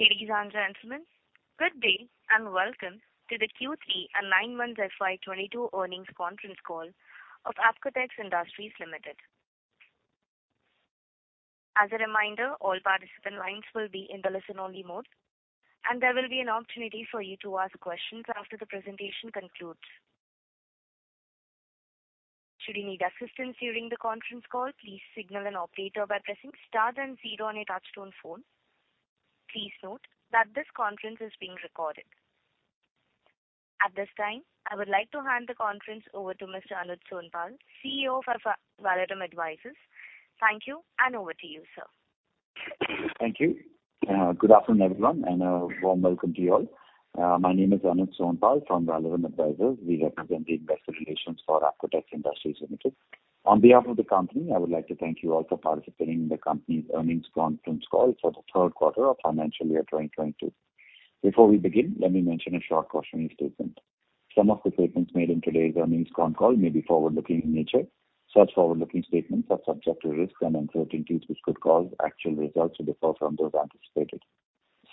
Ladies and gentlemen, good day, and welcome to the Q3 FY 2022 earnings conference call of Apcotex Industries Ltd. As a reminder, all participant lines will be in the listen-only mode, and there will be an opportunity for you to ask questions after the presentation concludes. Should you need assistance during the conference call, please signal an operator by pressing star and zero on your touchtone phone. Please note that this conference is being recorded. At this time, I would like to hand the conference over to Mr. Anuj Sonpal, CEO of Valorem Advisors. Thank you, and over to you, sir. Thank you. Good afternoon, everyone, and a warm welcome to you all. My name is Anuj Sonpal from Valorem Advisors. We represent the investor relations for Apcotex Industries Ltd. On behalf of the company, I would like to thank you all for participating in the company's earnings conference call for the third quarter of financial year 2022. Before we begin, let me mention a short cautionary statement. Some of the statements made in today's earnings conference call may be forward-looking in nature. Such forward-looking statements are subject to risks and uncertainties which could cause actual results to differ from those anticipated.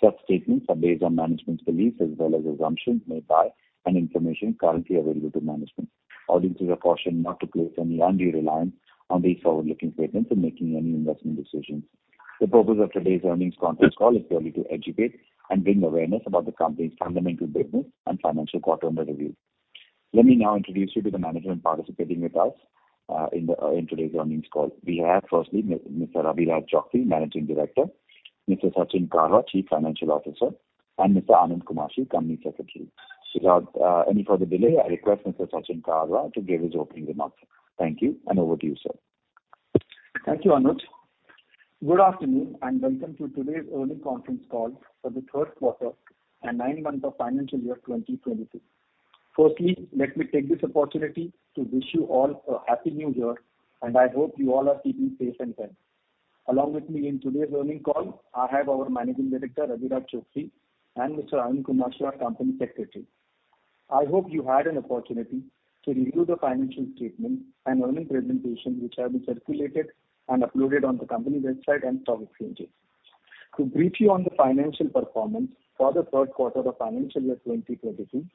Such statements are based on management's beliefs as well as assumptions made by and information currently available to management. Audiences are cautioned not to place any undue reliance on these forward-looking statements in making any investment decisions. The purpose of today's earnings conference call is purely to educate and bring awareness about the company's fundamental business and financial quarter under review. Let me now introduce you to the management participating with us in today's earnings call. We have firstly Mr. Abhiraj Choksey, Managing Director, Mr. Sachin Karwa, Chief Financial Officer, and Mr. Anand Kumashi, our Company Secretary. Without any further delay, I request Mr. Sachin Karwa to give his opening remarks. Thank you, and over to you, sir. Thank you, Anuj. Good afternoon, and welcome to today's earnings conference call for the third quarter and nine months of financial year 2022. Firstly, let me take this opportunity to wish you all a happy new year, and I hope you all are keeping safe and well. Along with me in today's earnings call, I have our Managing Director, Abhiraj Choksey, and Mr. Anand Kumashi, our Company Secretary. I hope you had an opportunity to review the financial statement and earnings presentation which have been circulated and uploaded on the company website and stock exchanges. To brief you on the financial performance for the third quarter of financial year 2022,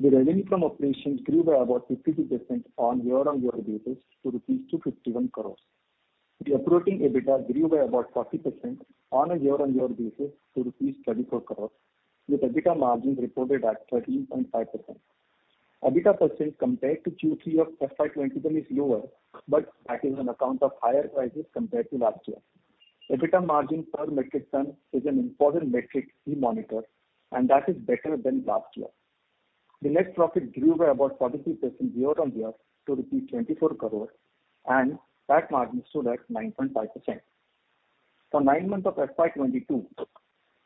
the revenue from operations grew by about 52% on year-on-year basis to rupees 251 crores. The operating EBITDA grew by about 40% on a year-on-year basis to rupees 34 crore, with EBITDA margin reported at 13.5%. EBITDA percent compared to Q3 of FY 2021 is lower, but that is on account of higher prices compared to last year. EBITDA margin per metric ton is an important metric we monitor, and that is better than last year. The net profit grew by about 43% year-on-year to rupees 24 crore and PAT margin stood at 9.5%. For nine months of FY 2022,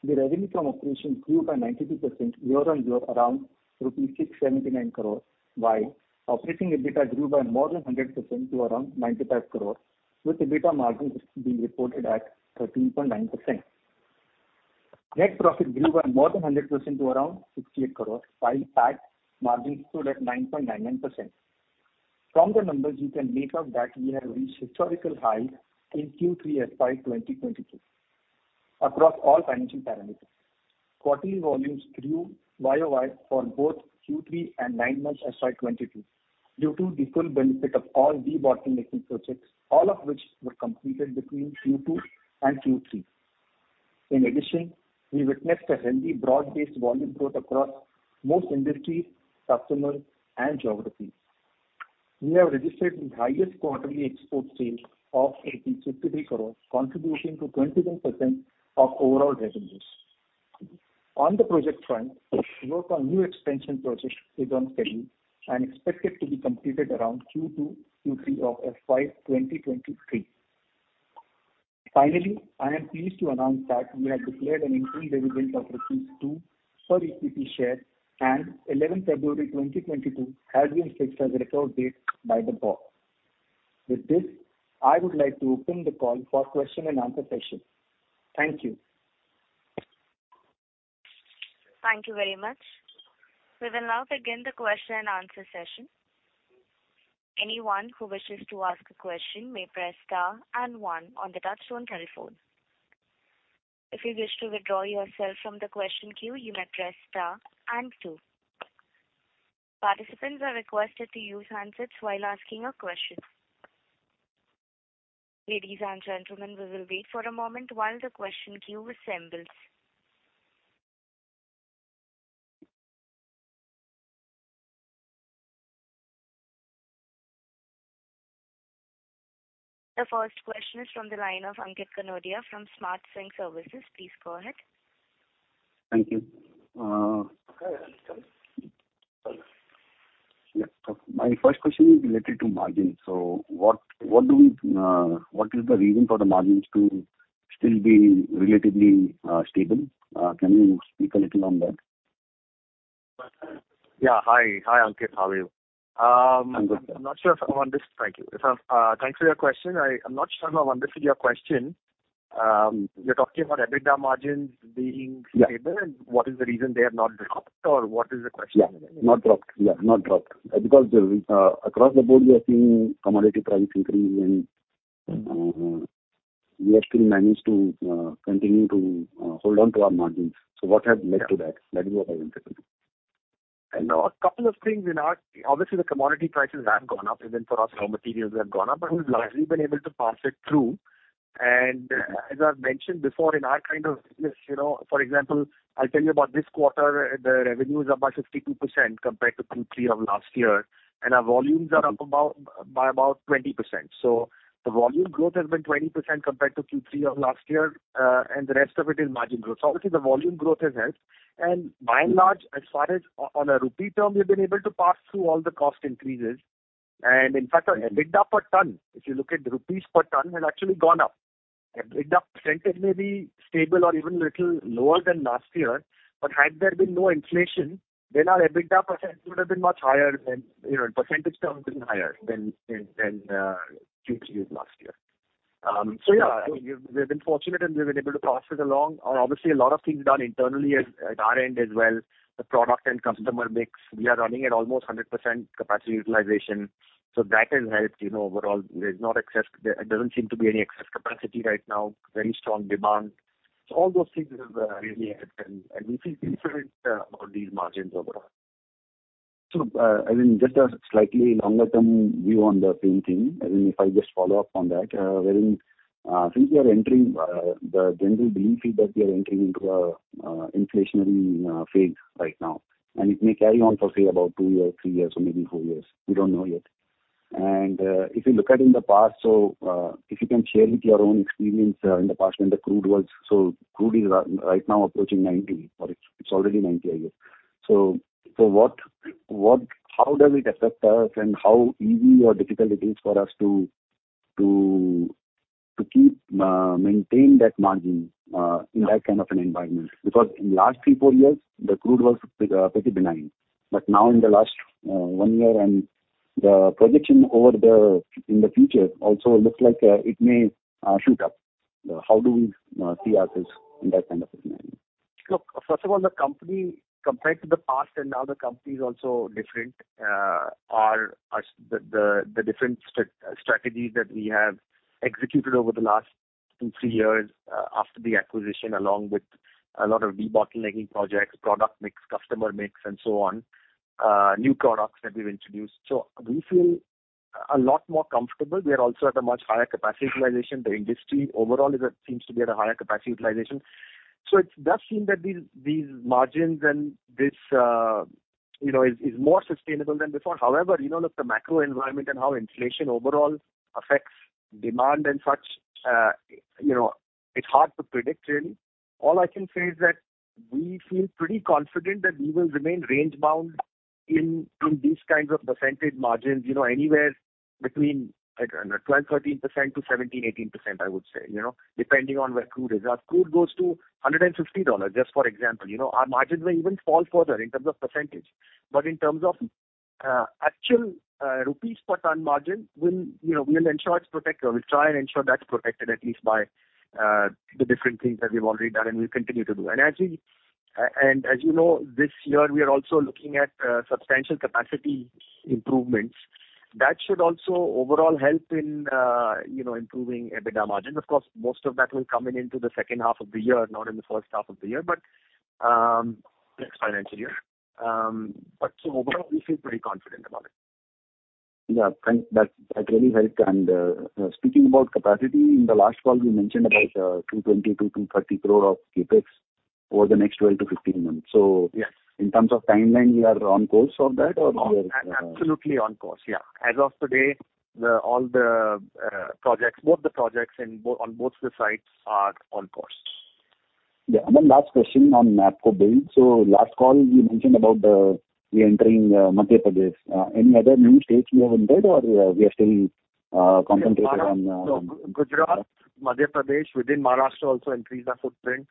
the revenue from operations grew by 92% year-on-year around rupees 679 crore, while operating EBITDA grew by more than 100% to around 95 crore, with EBITDA margin being reported at 13.9%. Net profit grew by more than 100% to around 68 crores, while PAT margin stood at 9.99%. From the numbers, you can make out that we have reached historical high in Q3 FY 2022 across all financial parameters. Quarterly volumes grew YoY for both Q3 and nine months FY 2022 due to the full benefit of all debottlenecking projects, all of which were completed between Q2 and Q3. In addition, we witnessed a healthy broad-based volume growth across most industries, customers, and geographies. We have registered the highest quarterly export sales of 53 crores, contributing to 21% of overall revenues. On the project front, work on new expansion projects is on schedule and expected to be completed around Q2, Q3 of FY 2023. Finally, I am pleased to announce that we have declared an increased dividend of rupees 2 for each equity share, and 11th February 2022 has been fixed as a record date by the board. With this, I would like to open the call for question and answer session. Thank you. Thank you very much. We will now begin the question and answer session. Anyone who wishes to ask a question may press star and one on the touchtone telephone. If you wish to withdraw yourself from the question queue, you may press star and two. Participants are requested to use handsets while asking a question. Ladies and gentlemen, we will wait for a moment while the question queue assembles. The first question is from the line of Ankit Kanodia from Smart Sync Services. Please go ahead. Thank you. Go ahead, Ankit. My first question is related to margins. What is the reason for the margins to still be relatively stable? Can you speak a little on that? Yeah. Hi. Hi, Ankit. How are you? I'm good. I'm not sure if I understood. Thank you. Thanks for your question. I'm not sure if I've understood your question. You're talking about EBITDA margins being- Yeah. stable, and what is the reason they have not dropped? Or what is the question? Yeah. Not dropped. Because, across the board, we are seeing commodity price increase and Mm-hmm. We actually managed to continue to hold on to our margins. What has led to that? That is what I'm interested in. A couple of things. Obviously, the commodity prices have gone up, even for us, raw materials have gone up, but we've largely been able to pass it through. As I've mentioned before, in our kind of business, you know, for example, I'll tell you about this quarter, the revenue is up by 52% compared to Q3 of last year, and our volumes are up by about 20%. The volume growth has been 20% compared to Q3 of last year, and the rest of it is margin growth. Obviously the volume growth has helped. By and large, as far as in rupee terms, we've been able to pass through all the cost increases. In fact, our EBITDA per ton, if you look at rupees per ton, has actually gone up. EBITDA percentage may be stable or even a little lower than last year, but had there been no inflation, then our EBITDA percentage would have been much higher than, you know, in percentage terms been higher than Q3 of last year. Yeah, I mean, we've been fortunate and we've been able to pass it along. Obviously, a lot of things done internally at our end as well. The product and customer mix. We are running at almost 100% capacity utilization, so that has helped, you know, overall. There doesn't seem to be any excess capacity right now. Very strong demand. All those things have really helped, and we feel confident about these margins overall. I mean, just a slightly longer term view on the same thing. I mean, if I just follow up on that, wherein since we are entering the general belief is that we are entering into an inflationary phase right now, and it may carry on for say about two years, three years or maybe four years. We don't know yet. If you look at in the past if you can share with your own experience in the past when the crude was. Crude is right now approaching $90, or it's already $90, I guess. So what how does it affect us and how easy or difficult it is for us to keep maintain that margin in that kind of an environment? Because in the last three, four years the crude was pretty benign. Now in the last one year and the projection over the in the future also looks like it may shoot up. How do we see ourselves in that kind of a scenario? Look, first of all, the company compared to the past and now the company is also different. Our different strategies that we have executed over the last two, three years, after the acquisition, along with a lot of debottlenecking projects, product mix, customer mix and so on, new products that we've introduced. We feel a lot more comfortable. We are also at a much higher capacity utilization. The industry overall seems to be at a higher capacity utilization. It does seem that these margins and this is more sustainable than before. However, you know, look, the macro environment and how inflation overall affects demand and such, you know, it's hard to predict really. All I can say is that we feel pretty confident that we will remain range bound in these kinds of percentage margins, you know, anywhere between, I don't know, 12%, 13% to 17%, 18%, I would say, you know, depending on where crude is. If crude goes to $150, just for example, you know, our margins may even fall further in terms of percentage. But in terms of actual rupees per ton margin, we'll, you know, we will ensure it's protected. We'll try and ensure that's protected at least by the different things that we've already done and we'll continue to do. As you know, this year we are also looking at substantial capacity improvements. That should also overall help in improving EBITDA margins. Of course, most of that will come in into the second half of the year, not in the first half of the year, but next financial year. Overall we feel pretty confident about it. Yeah. That really helped. Speaking about capacity, in the last call you mentioned about 220 crore-230 crore of CapEx over the next 12-15 months. Yes. In terms of timeline, we are on course for that. Absolutely on course, yeah. As of today, all the projects, both the projects on both the sites are on course. Yeah. Then last question on ApcoBuild. Last call you mentioned about we entering Madhya Pradesh. Any other new states we have entered or we are still concentrated on- Gujarat, Madhya Pradesh, within Maharashtra also increased our footprint,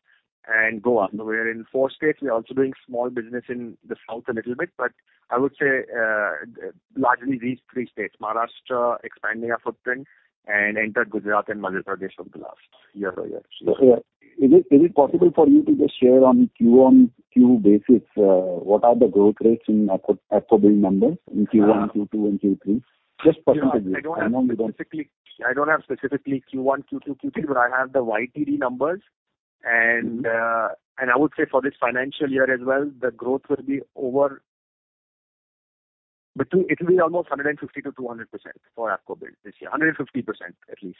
and Goa. We are in four states. We are also doing small business in the south a little bit, but I would say, largely these three states. Maharashtra expanding our footprint and entered Gujarat and Madhya Pradesh over the last year or so, actually. Is it possible for you to just share on QonQ basis what are the growth rates in ApcoBuild numbers in Q1, Q2 and Q3? Just percentages. I don't have specifically Q1, Q2, Q3, but I have the YTD numbers. I would say for this financial year as well, the growth will be almost 150%-200% for ApcoBuild this year. 150% at least.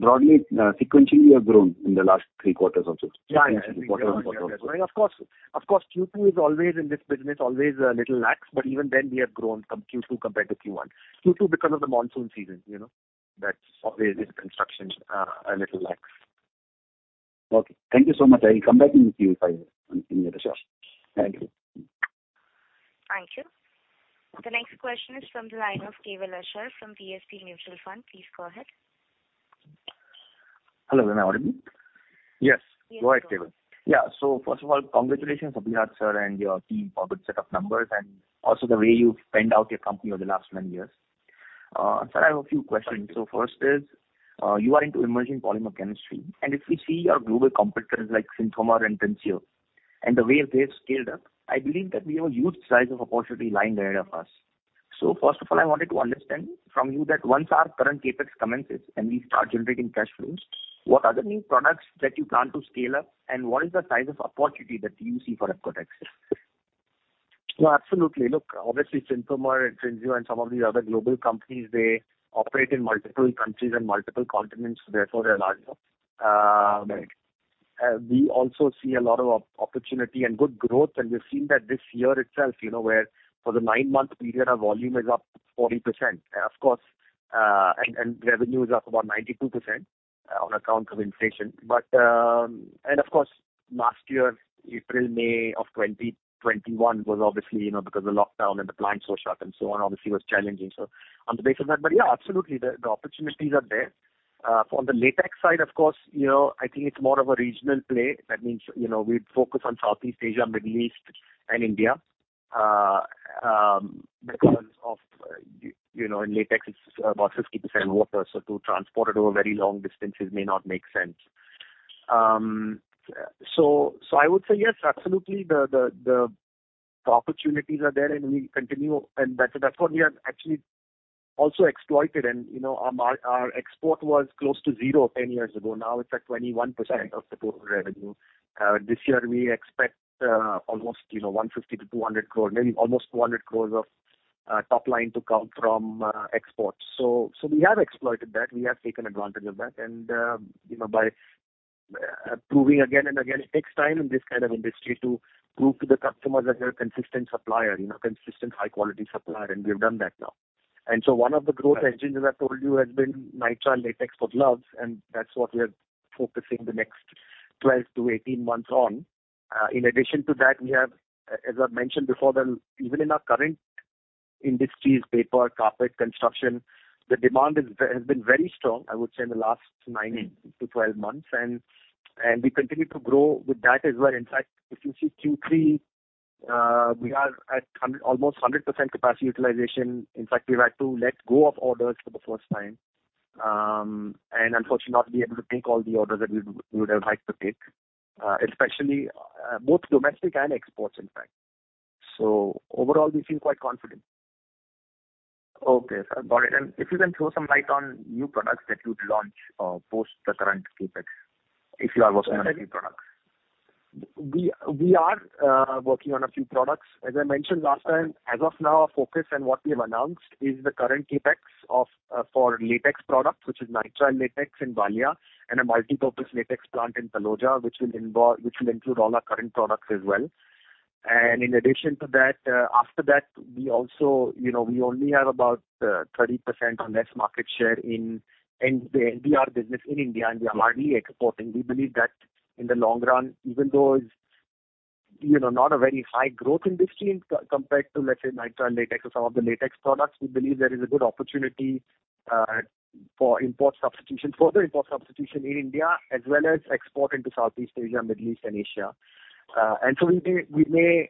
Broadly, sequentially you have grown in the last three quarters also. Yeah. Quarter-over-quarter. Of course, Q2 is always in this business, always a little lax, but even then we have grown Q2 compared to Q1. Q2 because of the monsoon season, you know? That's always in construction, a little lax. Okay. Thank you so much. I will come back in Q5 and continue the discussion. Thank you. Thank you. The next question is from the line of Keval Ashar from DSP Mutual Fund. Please go ahead. Hello. Am I audible? Yes. Yes. Go ahead, Keval. Yeah. First of all, congratulations Abhiraj sir and your team for a good set of numbers and also the way you've planned out your company over the last many years. Sir, I have a few questions. First is, you are into emerging polymer chemistry, and if we see your global competitors like Synthomer and Trinseo the way they've scaled up, I believe that we have a huge size of opportunity lying ahead of us. First of all, I wanted to understand from you that once our current CapEx commences and we start generating cash flows, what are the new products that you plan to scale up and what is the size of opportunity that you see for Apcotex? No, absolutely. Look, obviously, Synthomer, Trinseo, and some of the other global companies, they operate in multiple countries and multiple continents, therefore they're larger. We also see a lot of opportunity and good growth, and we've seen that this year itself, you know, where for the nine-month period, our volume is up 40%. Of course, revenue is up about 92% on account of inflation. Of course, last year, April, May of 2021 was obviously, you know, because the lockdown and the plants were shut and so on, obviously it was challenging. On the basis of that, yeah, absolutely, the opportunities are there. From the latex side, of course, you know, I think it's more of a regional play. That means, you know, we'd focus on Southeast Asia, Middle East, and India, because of, you know, in latex it's about 60% water, so to transport it over very long distances may not make sense. I would say yes, absolutely, the opportunities are there and we continue. That's what we have actually also exploited. You know, our export was close to zero 10 years ago. Now it's at 21% of the total revenue. This year we expect almost, you know, 150 crore-200 crore, maybe almost 200 crore of top line to come from exports. We have exploited that. We have taken advantage of that. You know, by proving again and again, it takes time in this kind of industry to prove to the customers that you're a consistent supplier, you know, consistent high quality supplier, and we've done that now. One of the growth engines I told you has been nitrile latex for gloves, and that's what we are focusing the next 12 to 18 months on. In addition to that, we have, as I mentioned before, even in our current industries, paper, carpet, construction, the demand has been very strong, I would say in the last nine to 12 months. We continue to grow with that as well. In fact, if you see Q3, we are at almost 100% capacity utilization. In fact, we've had to let go of orders for the first time, and unfortunately not be able to take all the orders that we would have liked to take, especially both domestic and exports, in fact. Overall, we feel quite confident. Okay, sir. Got it. If you can throw some light on new products that you'd launch post the current CapEx, if you are working on a few products. We are working on a few products. As I mentioned last time, as of now, our focus and what we have announced is the current CapEx for latex products, which is nitrile latex in Valia and a multipurpose latex plant in Taloja, which will include all our current products as well. In addition to that, after that, we also, you know, we only have about 30% or less market share in the NBR business in India, and we are hardly exporting. We believe that in the long run, even though it's, you know, not a very high growth industry compared to, let's say, nitrile latex or some of the latex products, we believe there is a good opportunity for import substitution, further import substitution in India as well as export into Southeast Asia, Middle East, and Asia. We may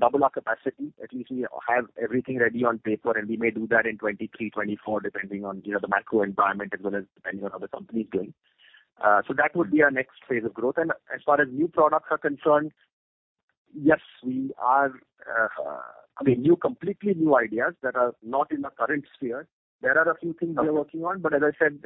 double our capacity. At least we have everything ready on paper, and we may do that in 2023, 2024, depending on, you know, the macro environment as well as depending on how the company is doing. That would be our next phase of growth. As far as new products are concerned, yes, we are I mean, new, completely new ideas that are not in the current sphere, there are a few things we are working on, but as I said,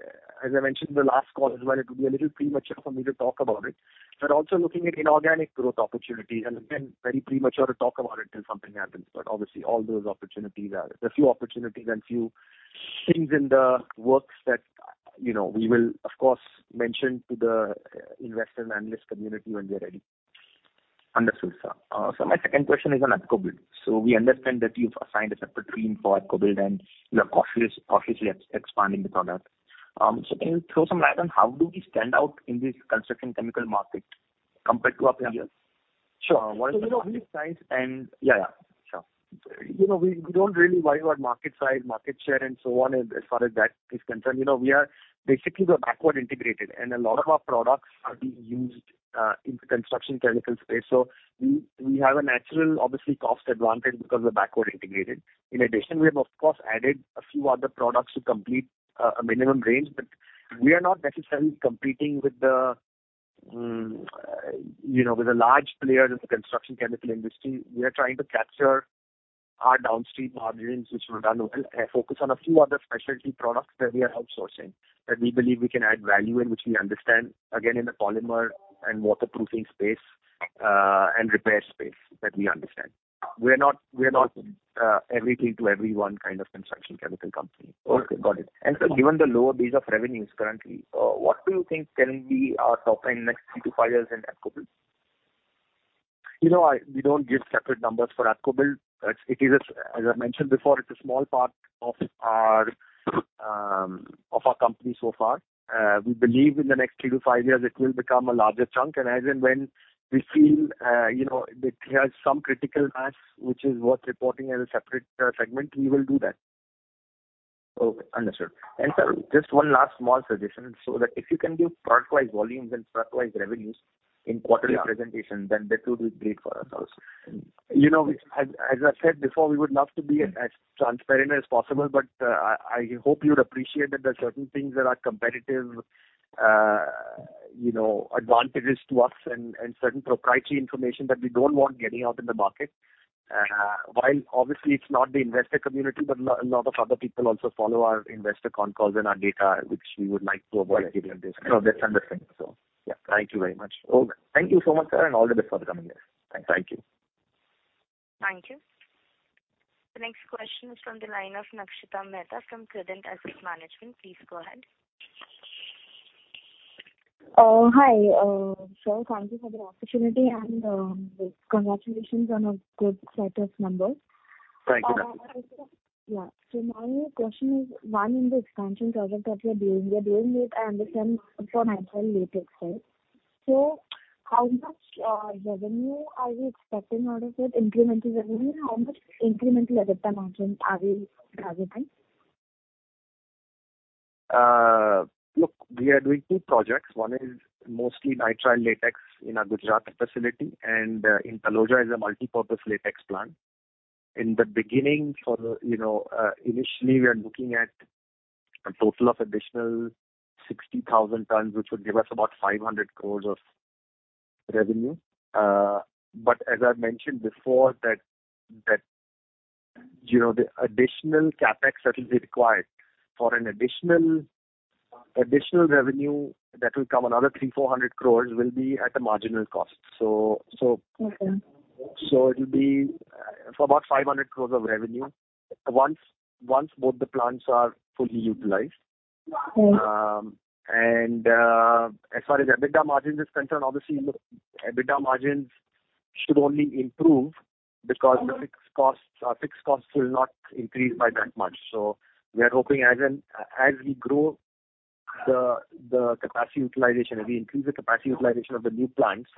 as I mentioned in the last call as well, it would be a little premature for me to talk about it. We're also looking at inorganic growth opportunities, and again, very premature to talk about it till something happens. But obviously all those opportunities are few opportunities and few things in the works that, you know, we will of course mention to the investor and analyst community when we are ready. Understood, sir. My second question is on ApcoBuild. We understand that you've assigned a separate team for ApcoBuild, and you are cautiously expanding the product. Can you throw some light on how do we stand out in this construction chemical market compared to our peers? Sure. What is our market size? Sure. You know, we don't really worry about market size, market share, and so on as far as that is concerned. You know, we are basically backward integrated, and a lot of our products are being used in the construction chemical space. We have a natural, obviously, cost advantage because we're backward integrated. In addition, we have of course added a few other products to complete a minimum range. We are not necessarily competing with, you know, the large players in the construction chemical industry. We are trying to capture our downstream margins, which we've done, focus on a few other specialty products that we are outsourcing, that we believe we can add value and which we understand, again, in the polymer and waterproofing space, and repair space that we understand. We're not everything to everyone kind of construction chemical company. Okay, got it. Sir, given the lower base of revenues currently, what do you think can be our top line next three to five years in ApcoBuild? You know, we don't give separate numbers for ApcoBuild. It is a small part of our company so far. We believe in the next three to five years, it will become a larger chunk. As and when we feel, you know, it has some critical mass which is worth reporting as a separate segment, we will do that. Okay, understood. Sir, just one last small suggestion, so that if you can give product-wise volumes and product-wise revenues in quarterly presentation, then that will be great for us also. You know, as I said before, we would love to be as transparent as possible, but I hope you would appreciate that there are certain things that are competitive, you know, advantages to us and certain proprietary information that we don't want getting out in the market. While obviously it's not the investor community, but a lot of other people also follow our investor conference calls and our data, which we would like to avoid giving this kind of. No, that's understanding. Yeah. Thank you very much. Okay. Thank you so much, sir, and all the best for the coming year. Thank you. Thank you. The next question is from the line of Nakshita Mehta from Credent Asset Management. Please go ahead. Hi, sir. Thank you for the opportunity and congratulations on a good set of numbers. Thank you. Yeah. My question is, one, in the expansion project that you're doing, you're doing it, I understand, for nitrile latex, right? How much revenue are you expecting out of it, incremental revenue? And how much incremental EBITDA margin are we targeting? Look, we are doing two projects. One is mostly nitrile latex in our Gujarat facility, and in Taloja is a multipurpose latex plant. In the beginning for, you know, initially we are looking at a total of additional 60,000 tons, which would give us about 500 crore of revenue. As I've mentioned before that, you know, the additional CapEx that will be required for an additional revenue that will come, another 300 crore-400 crore will be at a marginal cost. Okay. It'll be for about 500 crores of revenue once both the plants are fully utilized. Okay. As far as EBITDA margin is concerned, obviously, look, EBITDA margins should only improve because the fixed costs, our fixed costs will not increase by that much. We are hoping as we grow the capacity utilization, as we increase the capacity utilization of the new plants,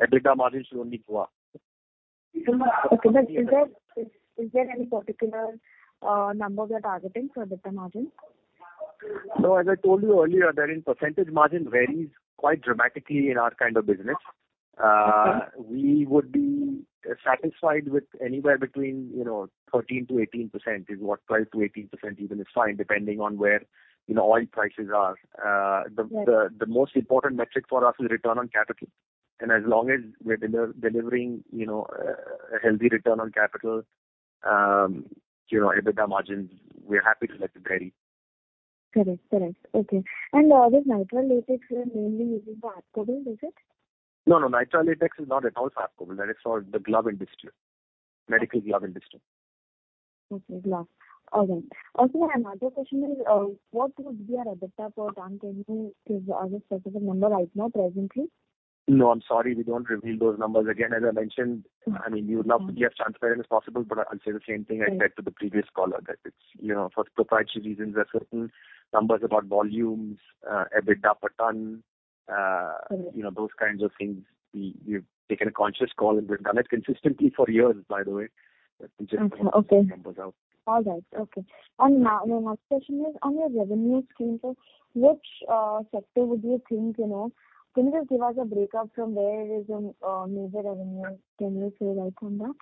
EBITDA margins should only go up. Okay. Is there any particular number we are targeting for EBITDA margin? No, as I told you earlier, that in percentage margin varies quite dramatically in our kind of business. Okay. We would be satisfied with anywhere between, you know, 12%-18% even is fine, depending on where, you know, oil prices are. Right. The most important metric for us is return on capital. As long as we're delivering, you know, a healthy return on capital, you know, EBITDA margins, we're happy to let it vary. Correct. Okay. All this nitrile latex you are mainly using for gloves, is it? No, no, nitrile latex is not at all ApcoBuild. That is for the glove industry, medical glove industry. Okay, gloves. All right. Also my another question is, what would be our EBITDA per ton revenue as a specific number right now presently? No, I'm sorry, we don't reveal those numbers. Again, as I mentioned, I mean, you would love to be as transparent as possible, but I'll say the same thing I said to the previous caller, that it's, you know, for proprietary reasons, there are certain numbers about volumes, EBITDA per ton. Okay. You know, those kinds of things, we've taken a conscious call, and we've done it consistently for years, by the way. Okay. Numbers out. All right. Okay. My next question is on your revenue stream. Which sector would you think, you know? Can you just give us a breakup from where is your major revenue generally say right come from?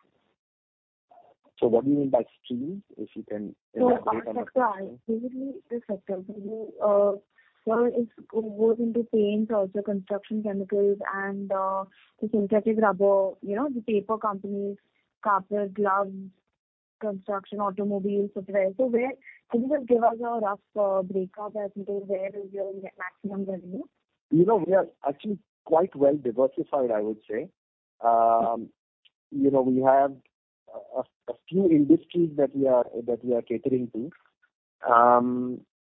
What do you mean by stream, if you can elaborate on that? No, our sector. Basically the sector. Sir, it goes into paints, also construction chemicals and the synthetic rubber, you know, the paper companies, carpet, gloves, construction, automobiles, et cetera. Where can you just give us a rough breakup as to where is your maximum revenue? You know, we are actually quite well diversified, I would say. You know, we have a few industries that we are catering to.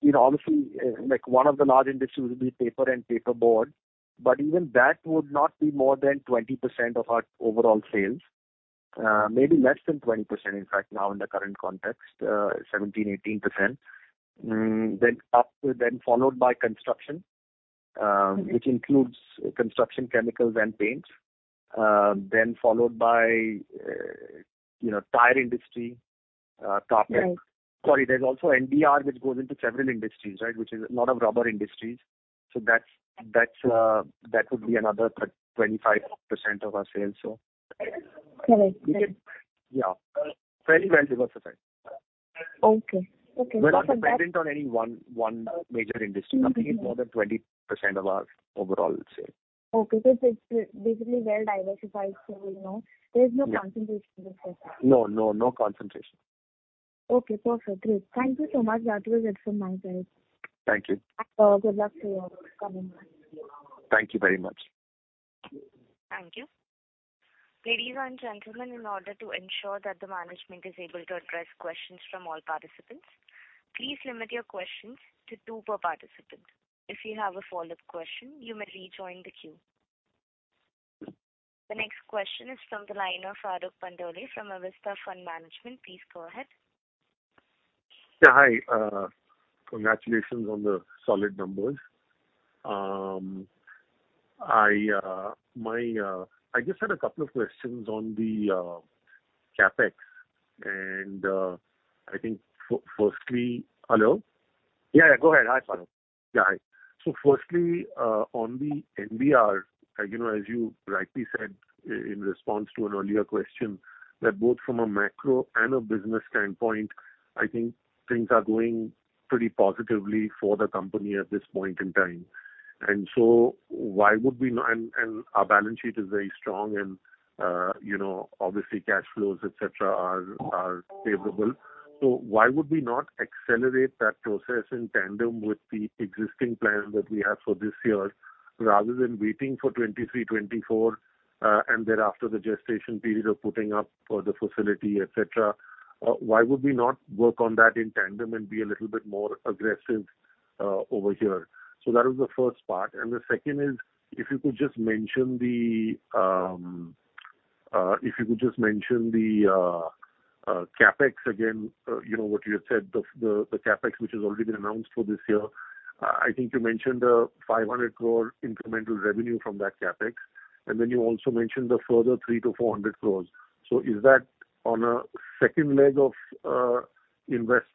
You know, obviously, like one of the large industries will be paper and paper board, but even that would not be more than 20% of our overall sales. Maybe less than 20%, in fact, now in the current context, 17%, 18%, followed by construction. Okay. Which includes construction chemicals and paints. Then followed by, you know, tire industry, carpet. Right. Sorry, there's also NBR which goes into several industries, right, which is a lot of rubber industries. That would be another 25% of our sales so. Correct. Correct. Yeah. Very well diversified. Okay. Okay. We're not dependent on any one major industry. Nothing is more than 20% of our overall sales. Okay. It's basically well diversified. You know, there's no concentration No concentration. Okay. Perfect. Great. Thank you so much. That was it from my side. Thank you. Good luck to y'all. Thank you very much. Thank you. Ladies and gentlemen, in order to ensure that the management is able to address questions from all participants, please limit your questions to two per participant. If you have a follow-up question, you may rejoin the queue. The next question is from the line of Farokh Pandole from Avestha Fund Management. Please go ahead. Yeah, hi. Congratulations on the solid numbers. I just had a couple of questions on the CapEx and I think firstly... Hello? Yeah, go ahead. Hi, Farokh. Yeah, hi. Firstly, on the NBR, you know, as you rightly said in response to an earlier question, that both from a macro and a business standpoint, I think things are going pretty positively for the company at this point in time. Why would we not, our balance sheet is very strong, you know, obviously cash flows, et cetera, are favorable. Why would we not accelerate that process in tandem with the existing plan that we have for this year rather than waiting for 2023, 2024, and thereafter the gestation period of putting up the facility, et cetera? Why would we not work on that in tandem and be a little bit more aggressive over here? That was the first part. The second is if you could just mention the CapEx again, you know, what you had said, the CapEx which has already been announced for this year. I think you mentioned 500 crore incremental revenue from that CapEx, and then you also mentioned the further 300 crore-400 crore. Is that on a second leg of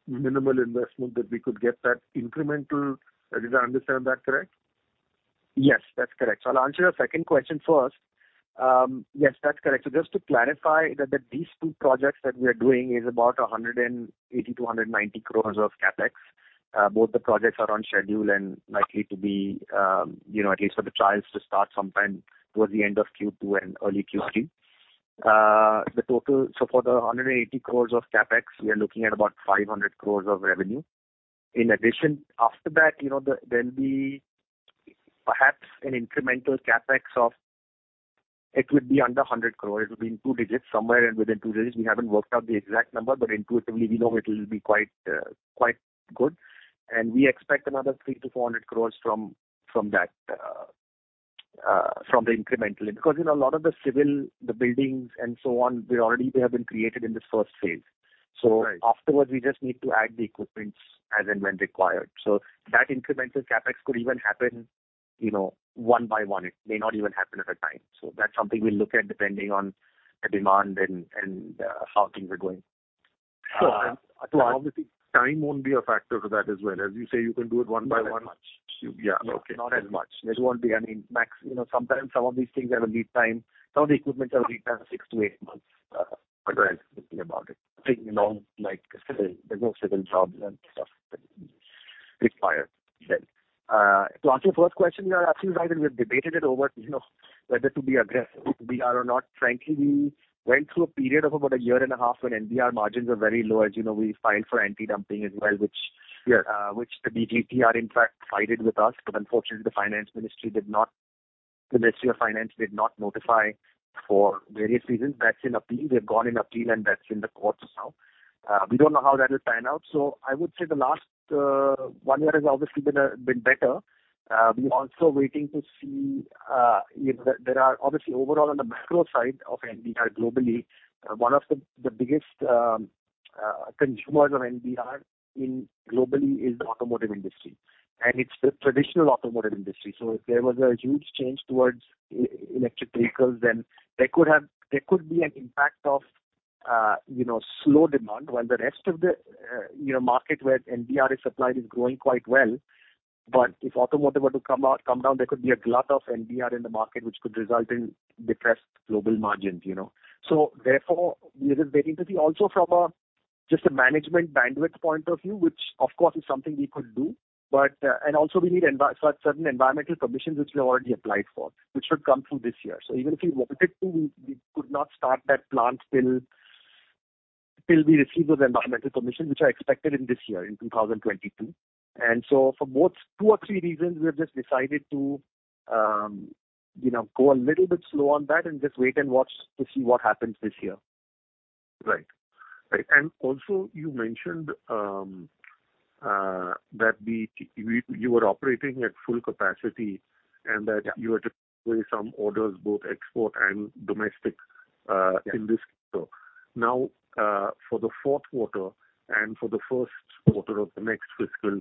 minimal investment that we could get that incremental? Did I understand that correct? Yes, that's correct. I'll answer your second question first. Yes, that's correct. Just to clarify that these two projects that we are doing is about 180 crore-190 crore of CapEx. Both the projects are on schedule and likely to be, you know, at least for the trials to start sometime towards the end of Q2 and early Q3. For the 180 crore of CapEx, we are looking at about 500 crore of revenue. In addition, after that, you know, there'll be perhaps an incremental CapEx of. It would be under 100 crore. It'll be in two digits. Somewhere within two digits. We haven't worked out the exact number, but intuitively we know it'll be quite good. We expect another 300 crore-400 crore from that incremental. Because, you know, a lot of the civil, the buildings and so on, they already have been created in this first phase. Right. Afterwards we just need to add the equipments as and when required. That incremental CapEx could even happen, you know, one by one. It may not even happen at a time. That's something we look at depending on the demand and how things are going. Obviously time won't be a factor for that as well. As you say, you can do it one by one. Not as much. Yeah. Okay. Not as much. There won't be any. You know, sometimes some of these things have a lead time. Some of the equipment has a lead time of six to eight months, but rest assured about it. I think, you know, like civil, there's no civil jobs and stuff required then. To answer your first question, we are absolutely right, and we've debated it over, you know, whether to be aggressive, we are or not. Frankly, we went through a period of about a year and a half when NBR margins were very low. As you know, we filed for antidumping as well, which Yeah. Which the DGTR, in fact, sided with us. Unfortunately, the finance ministry did not. The Ministry of Finance did not notify for various reasons. That's in appeal. We have gone in appeal, and that's in the courts now. We don't know how that will pan out. I would say the last one year has obviously been better. We're also waiting to see, you know, there are obviously overall on the macro side of NBR globally, one of the biggest consumers of NBR globally is the automotive industry, and it's the traditional automotive industry. If there was a huge change towards electric vehicles then there could be an impact of, you know, slow demand while the rest of the, you know, market where NBR is supplied is growing quite well. If automotive were to come out, come down, there could be a glut of NBR in the market which could result in depressed global margins, you know. Therefore, we were waiting to see also from a just a management bandwidth point of view, which of course is something we could do. And also we need certain environmental permissions which we have already applied for, which should come through this year. Even if we wanted to, we could not start that plant till we receive those environmental permissions which are expected in this year, in 2022. For both two or three reasons, we have just decided to, you know, go a little bit slow on that and just wait and watch to see what happens this year. Right. Right. You mentioned that you were operating at full capacity. Yeah. That you were taking some orders, both export and domestic, in this quarter. Now, for the fourth quarter and for the first quarter of the next fiscal,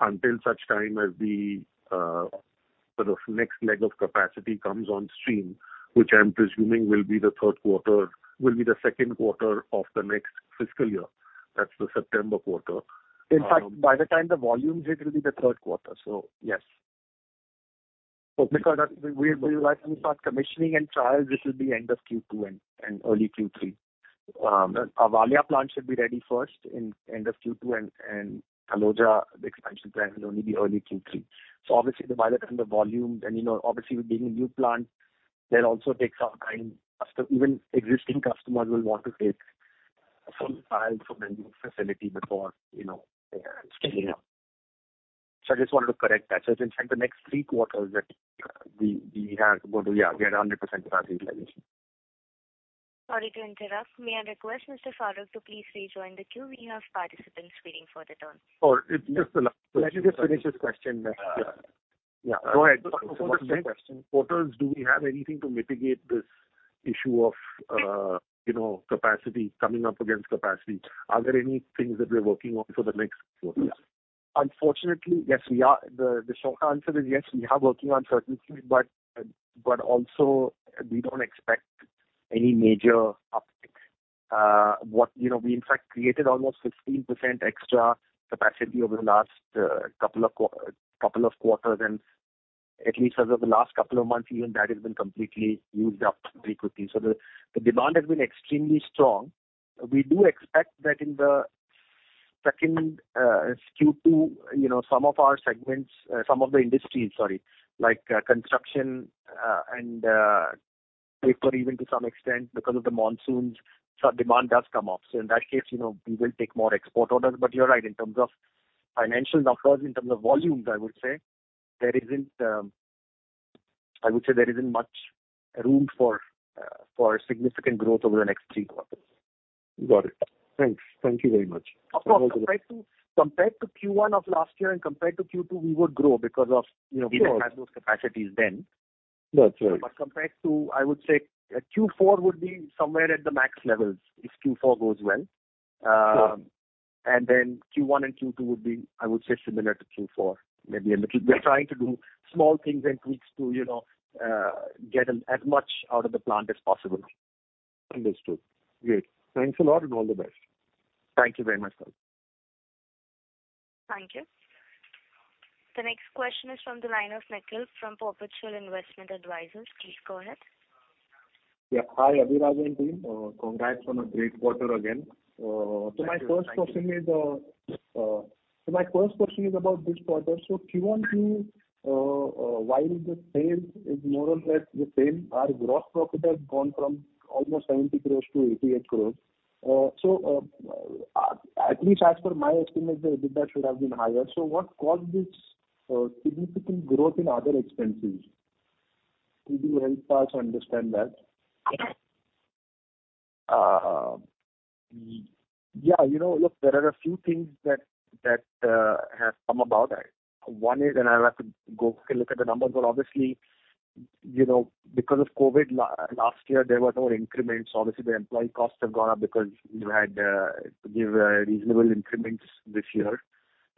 until such time as the sort of next leg of capacity comes on stream, which I'm presuming will be the second quarter of the next fiscal year. That's the September quarter. In fact by the time the volumes hit, it will be the third quarter. Yes. Okay. Because we like to start commissioning and trials, this will be by the end of Q2 and early Q3. Our Valia plant should be ready first by the end of Q2, and Taloja, the expansion plant will only be early Q3. Obviously by the time the volume, then, you know, obviously with being a new plant, that also takes some time. Even existing customers will want to take a full trial from a new facility before, you know, scaling up. I just wanted to correct that. It's in fact the next three quarters that we have to go to 100% capacity utilization. Sorry to interrupt. May I request Mr. Farokh to please rejoin the queue? We have participants waiting for their turn. Oh, it's just the last question. Let him just finish this question. Yeah. Yeah. Go ahead. For the next quarters, do we have anything to mitigate this issue of capacity coming up against capacity? Are there any things that we're working on for the next quarters? Unfortunately, yes, we are. The short answer is yes, we are working on certain things, but also we don't expect any major uptick. We in fact created almost 15% extra capacity over the last couple of quarters and at least over the last couple of months even that has been completely used up very quickly. The demand has been extremely strong. We do expect that in Q2 some of our segments, some of the industries like construction and paper even to some extent because of the monsoons, so demand does come up. In that case, you know, we will take more export orders. You're right, in terms of financials, of course, in terms of volumes, I would say there isn't much room for significant growth over the next three quarters. Got it. Thanks. Thank you very much. Of course, compared to Q1 of last year and compared to Q2, we would grow because of, you know. Yes. We didn't have those capacities then. That's right. Compared to, I would say, Q4 would be somewhere at the max levels if Q4 goes well. Sure. Q1 and Q2 would be, I would say, similar to Q4, maybe a little bit. We're trying to do small things and tweaks to, you know, get as much out of the plant as possible. Understood. Great. Thanks a lot, and all the best. Thank you very much, sir. Thank you. The next question is from the line of Nikhil from Perpetual Investment Advisors. Please go ahead. Hi, Abhiraj and team. Congrats on a great quarter again. Thank you. My first question is about this quarter. Q1, Q2, while the sales is more or less the same, our gross profit has gone from almost 70 crore to 88 crore. At least as per my estimate, the EBITDA should have been higher. What caused this significant growth in other expenses? Could you help us understand that? Yeah. You know, look, there are a few things that have come about. One is, and I'll have to go and look at the numbers, but obviously, you know, because of COVID last year, there were no increments. Obviously, the employee costs have gone up because we had to give reasonable increments this year.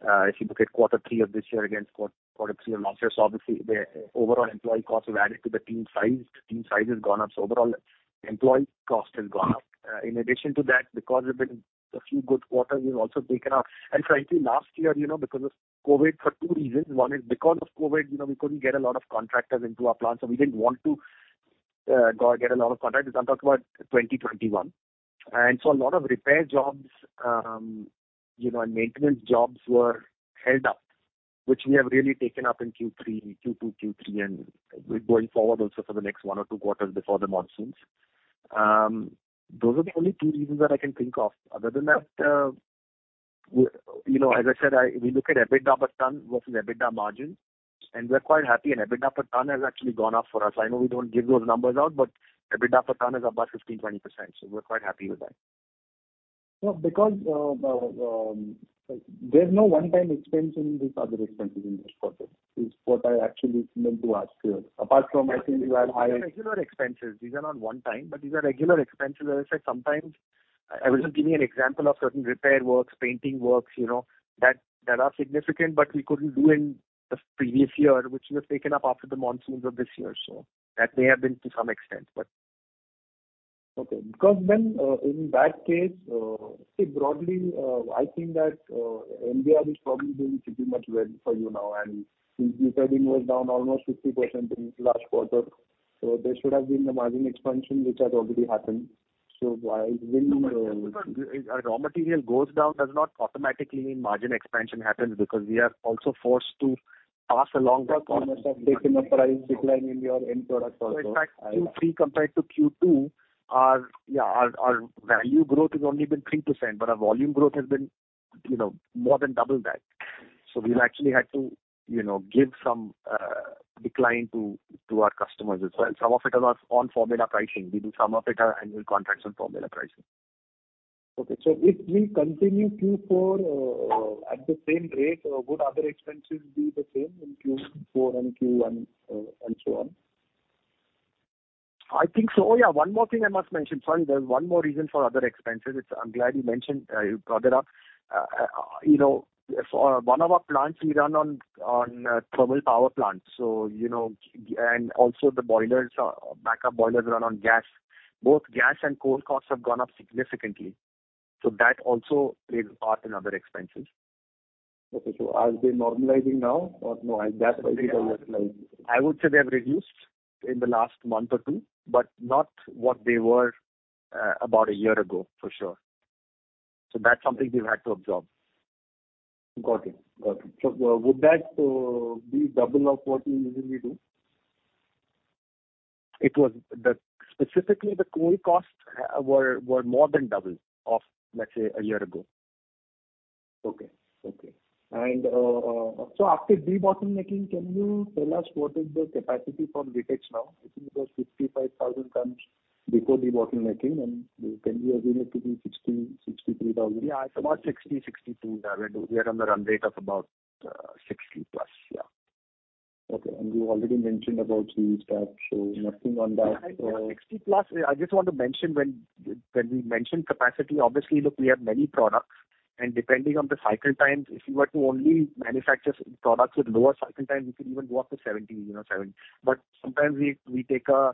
If you look at quarter three of this year against quarter three of last year, so obviously the overall employee costs have added to the team size. The team size has gone up, so overall employee cost has gone up. In addition to that, because there's been a few good quarters, we've also taken up. Frankly, last year, you know, because of COVID, for two reasons. One is because of COVID, you know, we couldn't get a lot of contractors into our plant, so we didn't want to go get a lot of contractors. I'm talking about 2021. A lot of repair jobs, you know, and maintenance jobs were held up, which we have really taken up in Q3, Q2, Q3, and going forward also for the next one or two quarters before the monsoons. Those are the only two reasons that I can think of. Other than that, you know, as I said, we look at EBITDA per ton versus EBITDA margin, and we're quite happy. EBITDA per ton has actually gone up for us. I know we don't give those numbers out, but EBITDA per ton is about 15%, 20%, so we're quite happy with that. No, because, there's no one-time expense in these other expenses in this quarter, is what I actually meant to ask you. Apart from, I think you have higher- These are regular expenses. These are not one time, but these are regular expenses. As I said, sometimes I was just giving you an example of certain repair works, painting works, you know, that are significant, but we couldn't do in the previous year, which we have taken up after the monsoons of this year. That may have been to some extent, but. Okay. Because then, in that case, see, broadly, I think that NBR is probably doing pretty much well for you now. Since your spending was down almost 50% in last quarter, so there should have been a margin expansion which has already happened. Why when? No, our raw material goes down does not automatically mean margin expansion happens because we are also forced to pass along the costs. You must have taken a price decline in your end product also. In fact, Q3 compared to Q2, our value growth has only been 3%, but our volume growth has been, you know, more than double that. We've actually had to, you know, give some decline to our customers as well. Some of it was on formula pricing. We do some of it on annual contracts on formula pricing. If you continue Q4 at the same rate, would other expenses be the same in Q4 and Q1, and so on? I think so. Yeah, one more thing I must mention. Sorry, there's one more reason for other expenses. I'm glad you mentioned, you brought it up. You know, for one of our plants we run on thermal power plants. You know, and also the boilers, backup boilers run on gas. Both gas and coal costs have gone up significantly. That also plays a part in other expenses. Okay. Are they normalizing now or no? That's why they are like. I would say they have reduced in the last month or two, but not what they were, about a year ago, for sure. That's something we've had to absorb. Got it. Would that be double of what you usually do? Specifically, the coal costs were more than double of, let's say, a year ago. Okay. After debottlenecking, can you tell us what is the capacity for Apcotex now? I think it was 65,000 tons before debottlenecking, and can we assume it to be 63,000? Yeah, it's about 60, 62. We're on the run rate of about 60+. Yeah. Okay. You already mentioned about the stock, so nothing on that. 60+. I just want to mention when we mention capacity, obviously, look, we have many products, and depending on the cycle times, if you were to only manufacture products with lower cycle time, you could even go up to 70, you know, 70. Sometimes we take a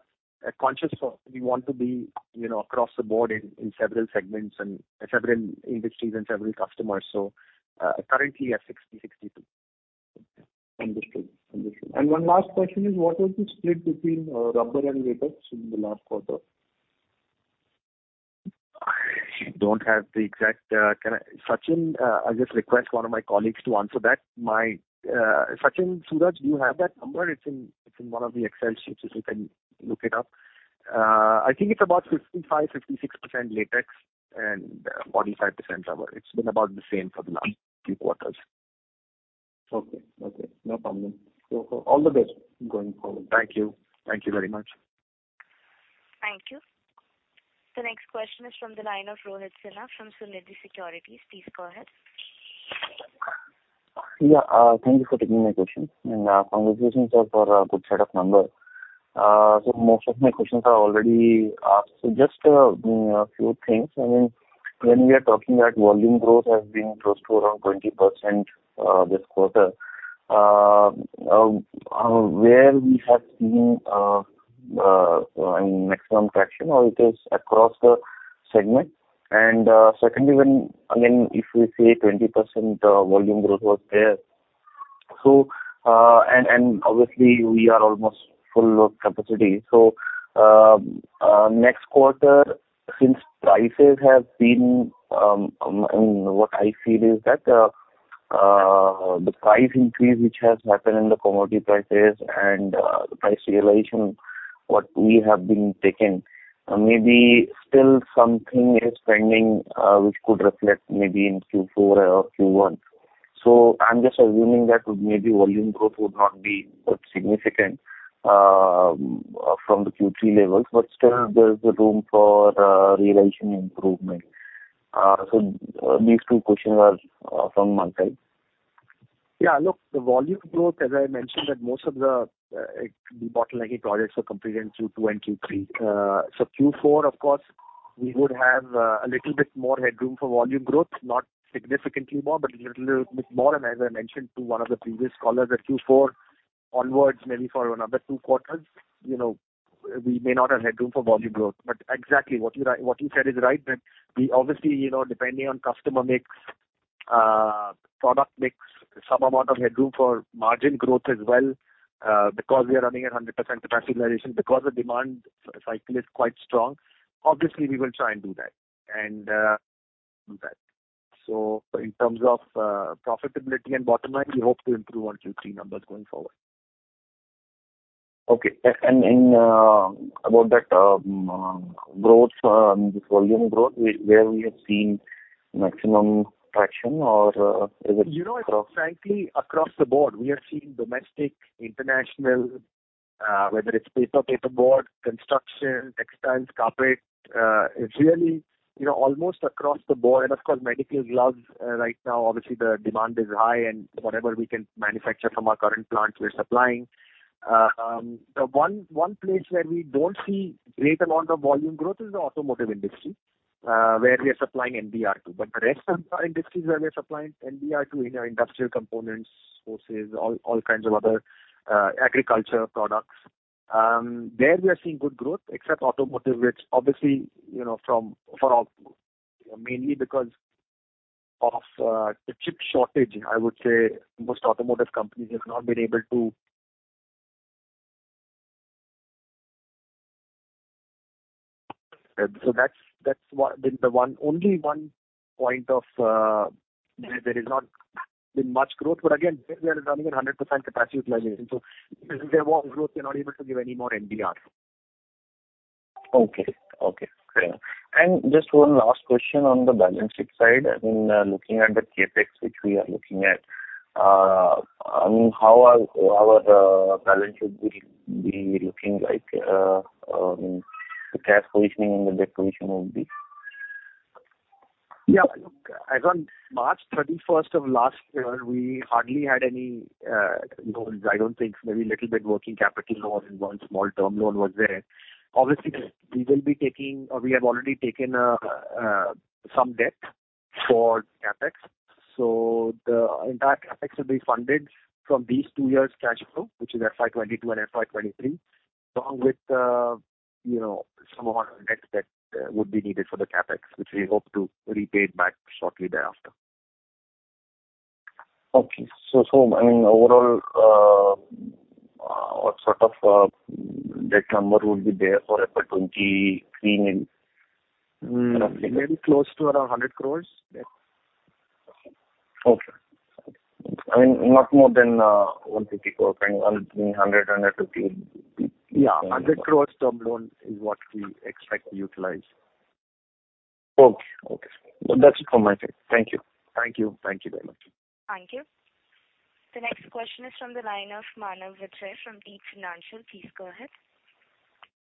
conscious thought. We want to be, you know, across the board in several segments and several industries and several customers. Currently at 60, 62. Understood. One last question is what was the split between rubber and latex in the last quarter? I don't have the exact. Sachin, I'll just request one of my colleagues to answer that. Sachin, Suraj, do you have that number? It's in one of the Excel sheets if you can look it up. I think it's about 55%, 56% latex and 45% rubber. It's been about the same for the last few quarters. Okay. No problem. All the best going forward. Thank you. Thank you very much. Thank you. The next question is from the line of Rohit Sinha from Sunidhi Securities. Please go ahead. Yeah. Thank you for taking my question. Congratulations for good set of numbers. Most of my questions are already asked. Just a few things. I mean, when we are talking that volume growth has been close to around 20%, this quarter, where we have seen maximum traction or it is across the segment. Secondly, I mean, if we say 20% volume growth was there, and obviously we are almost full of capacity. Next quarter since prices have been, what I feel is that, the price increase which has happened in the commodity prices and the price realization what we have been taking, maybe still something is pending, which could reflect maybe in Q4 or Q1. I'm just assuming that maybe volume growth would not be that significant, from the Q3 levels. Still there is a room for, realization improvement. These two questions are from my side. Yeah. Look, the volume growth, as I mentioned, that most of the bottlenecking projects were completed in Q2 and Q3. So Q4, of course, we would have a little bit more headroom for volume growth, not significantly more, but a little bit more. As I mentioned to one of the previous callers that Q4 onwards, maybe for another two quarters, you know, we may not have headroom for volume growth. Exactly what you said is right, that we obviously, you know, depending on customer mix, product mix, some amount of headroom for margin growth as well, because we are running at 100% capacity utilization because the demand cycle is quite strong. Obviously, we will try and do that. In terms of profitability and bottom line, we hope to improve on Q3 numbers going forward. Okay. About that growth, this volume growth, where we have seen maximum traction or, is it? You know, frankly, across the board. We are seeing domestic, international, whether it's paper, paperboard, construction, textiles, carpet, it's really, you know, almost across the board. Of course, medical gloves, right now obviously the demand is high and whatever we can manufacture from our current plants, we're supplying. The one place where we don't see great amount of volume growth is the automotive industry, where we are supplying NBR to. But the rest of our industries where we are supplying NBR to in our industrial components, hoses, all kinds of other agriculture products, there we are seeing good growth except automotive, which obviously, you know, for our mainly because of the chip shortage, I would say most automotive companies have not been able to. That's been the only one point where there has not been much growth. Again, there we are running at 100% capacity utilization. If there was growth, we're not able to give any more NBR. Okay. Fair enough. Just one last question on the balance sheet side. I mean, looking at the CapEx which we are looking at, I mean, how are the balance sheet be looking like? The cash positioning and the debt position will be? Yeah. Look, as on March 31st of last year, we hardly had any loans. I don't think maybe a little bit working capital loan and one small term loan was there. Obviously, we will be taking or we have already taken some debt for CapEx. The entire CapEx will be funded from these two years cash flow, which is FY 2022 and FY 2023, along with you know some more debt that would be needed for the CapEx, which we hope to repay it back shortly thereafter. I mean, overall, what sort of debt number would be there for FY 2023, maybe? Maybe close to around 100 crores debt. Okay. I mean, not more than 150 crore, I mean 100 crore-150 crore. Yeah. 100 crore term loan is what we expect to utilize. Okay. That's it from my side. Thank you. Thank you. Thank you very much. Thank you. The next question is from the line of Manav Vijay from Deep Financial. Please go ahead.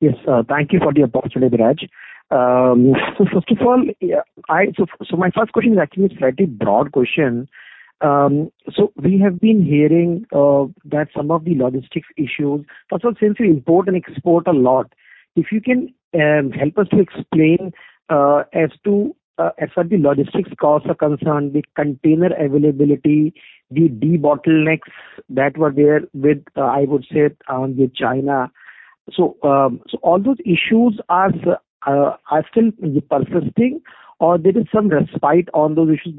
Yes. Thank you for the opportunity, Abhiraj. First of all, my first question is actually a slightly broad question. We have been hearing that some of the logistics issues. First of all, since you import and export a lot, if you can help us to explain as to as far the logistics costs are concerned, the container availability, the debottlenecks that were there with, I would say, with China. All those issues are still persisting or there is some respite on those issues?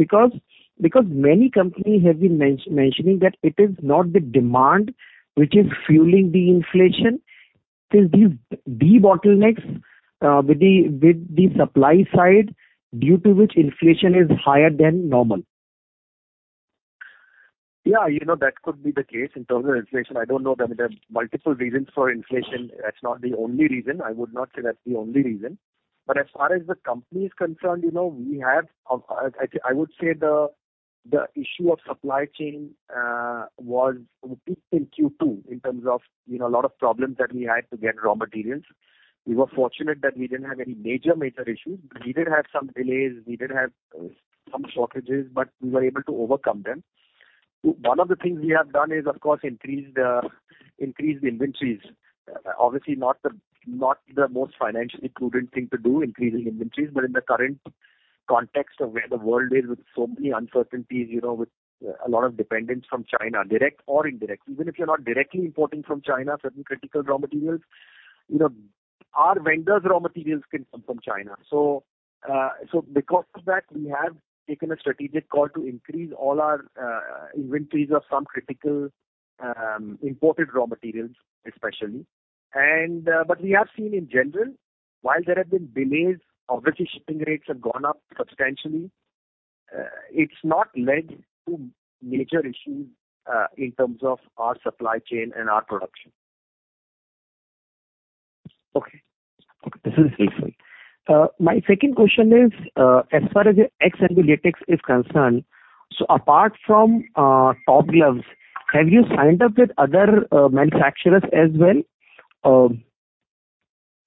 Because many companies have been mentioning that it is not the demand which is fueling the inflation. It is these debottlenecks with the supply side due to which inflation is higher than normal. Yeah, you know, that could be the case in terms of inflation. I don't know. There are multiple reasons for inflation. That's not the only reason. I would not say that's the only reason. As far as the company is concerned, you know, I think I would say the issue of supply chain was at its peak in Q2 in terms of, you know, a lot of problems that we had to get raw materials. We were fortunate that we didn't have any major issues. We did have some delays, we did have some shortages, but we were able to overcome them. One of the things we have done is, of course, increased inventories. Obviously not the most financially prudent thing to do, increasing inventories. In the current context of where the world is with so many uncertainties, you know, with a lot of dependence from China, direct or indirect. Even if you're not directly importing from China, certain critical raw materials, you know, our vendors' raw materials can come from China. Because of that, we have taken a strategic call to increase all our inventories of some critical imported raw materials especially. We have seen in general, while there have been delays, obviously shipping rates have gone up substantially, it's not led to major issues in terms of our supply chain and our production. Okay. Okay, this is useful. My second question is, as far as nitrile latex is concerned, so apart from Top Glove, have you signed up with other manufacturers as well?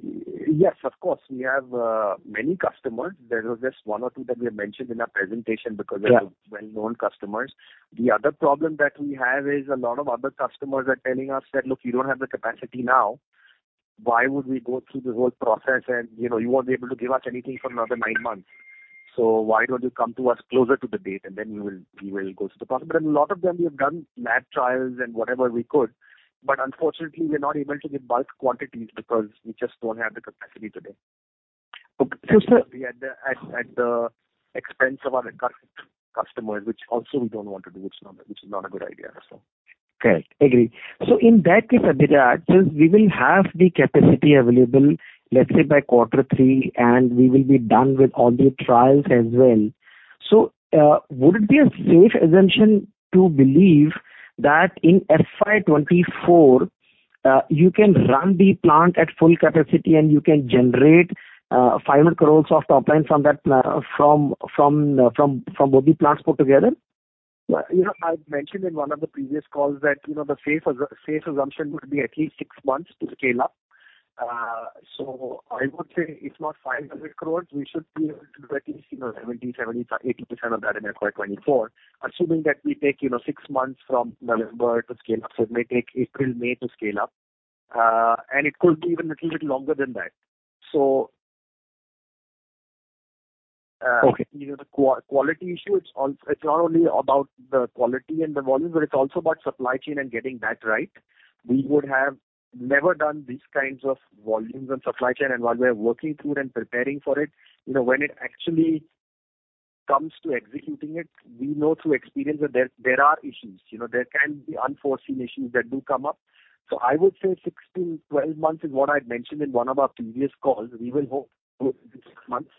Yes, of course. We have many customers. There was just one or two that we had mentioned in our presentation because they're well-known customers. The other problem that we have is a lot of other customers are telling us that, "Look, you don't have the capacity now. Why would we go through the whole process? And, you know, you won't be able to give us anything for another nine months. So why don't you come to us closer to the date, and then we will go through the process." But a lot of them we have done lab trials and whatever we could, but unfortunately, we're not able to give bulk quantities because we just don't have the capacity today. Okay, sir. At the expense of our current customers, which also we don't want to do. It's not a good idea. Correct. Agree. In that case, Abhiraj, since we will have the capacity available, let's say by quarter three, and we will be done with all the trials as well. Would it be a safe assumption to believe that in FY 2024, you can run the plant at full capacity and you can generate 500 crore of top line from that, from both the plants put together? You know, I've mentioned in one of the previous calls that, you know, the safe assumption would be at least six months to scale up. I would say it's not 500 crore. We should be able to do at least, you know, 70%, 75%, 80% of that in FY 2024, assuming that we take, you know, six months from November to scale up. It may take April, May to scale up. It could be even a little bit longer than that. Okay. You know, the quality issue, it's not only about the quality and the volume, but it's also about supply chain and getting that right. We would have never done these kinds of volumes and supply chain. While we are working through it and preparing for it, you know, when it actually comes to executing it, we know through experience that there are issues. You know, there can be unforeseen issues that do come up. I would say 16, 12 months is what I'd mentioned in one of our previous calls. We will hope six months.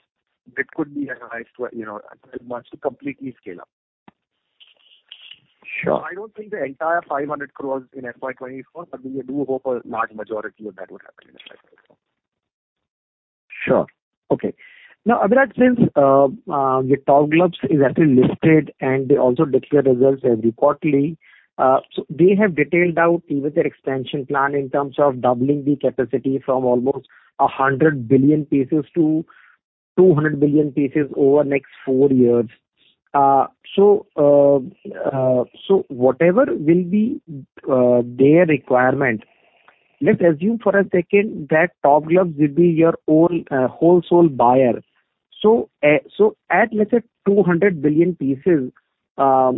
It could be as high as 12 months to completely scale up. Sure. I don't think the entire 500 crores in FY 2024, but we do hope a large majority of that would happen in FY 2024. Sure. Okay. Now, Abhiraj, since Top Glove is actually listed and they also declare results every quarterly. They have detailed out even their expansion plan in terms of doubling the capacity from almost 100 billion pieces to 200 billion pieces over the next four years. Whatever will be their requirement, let's assume for a second that Top Glove will be your own wholesale buyer. At, let's say, 200 billion pieces, how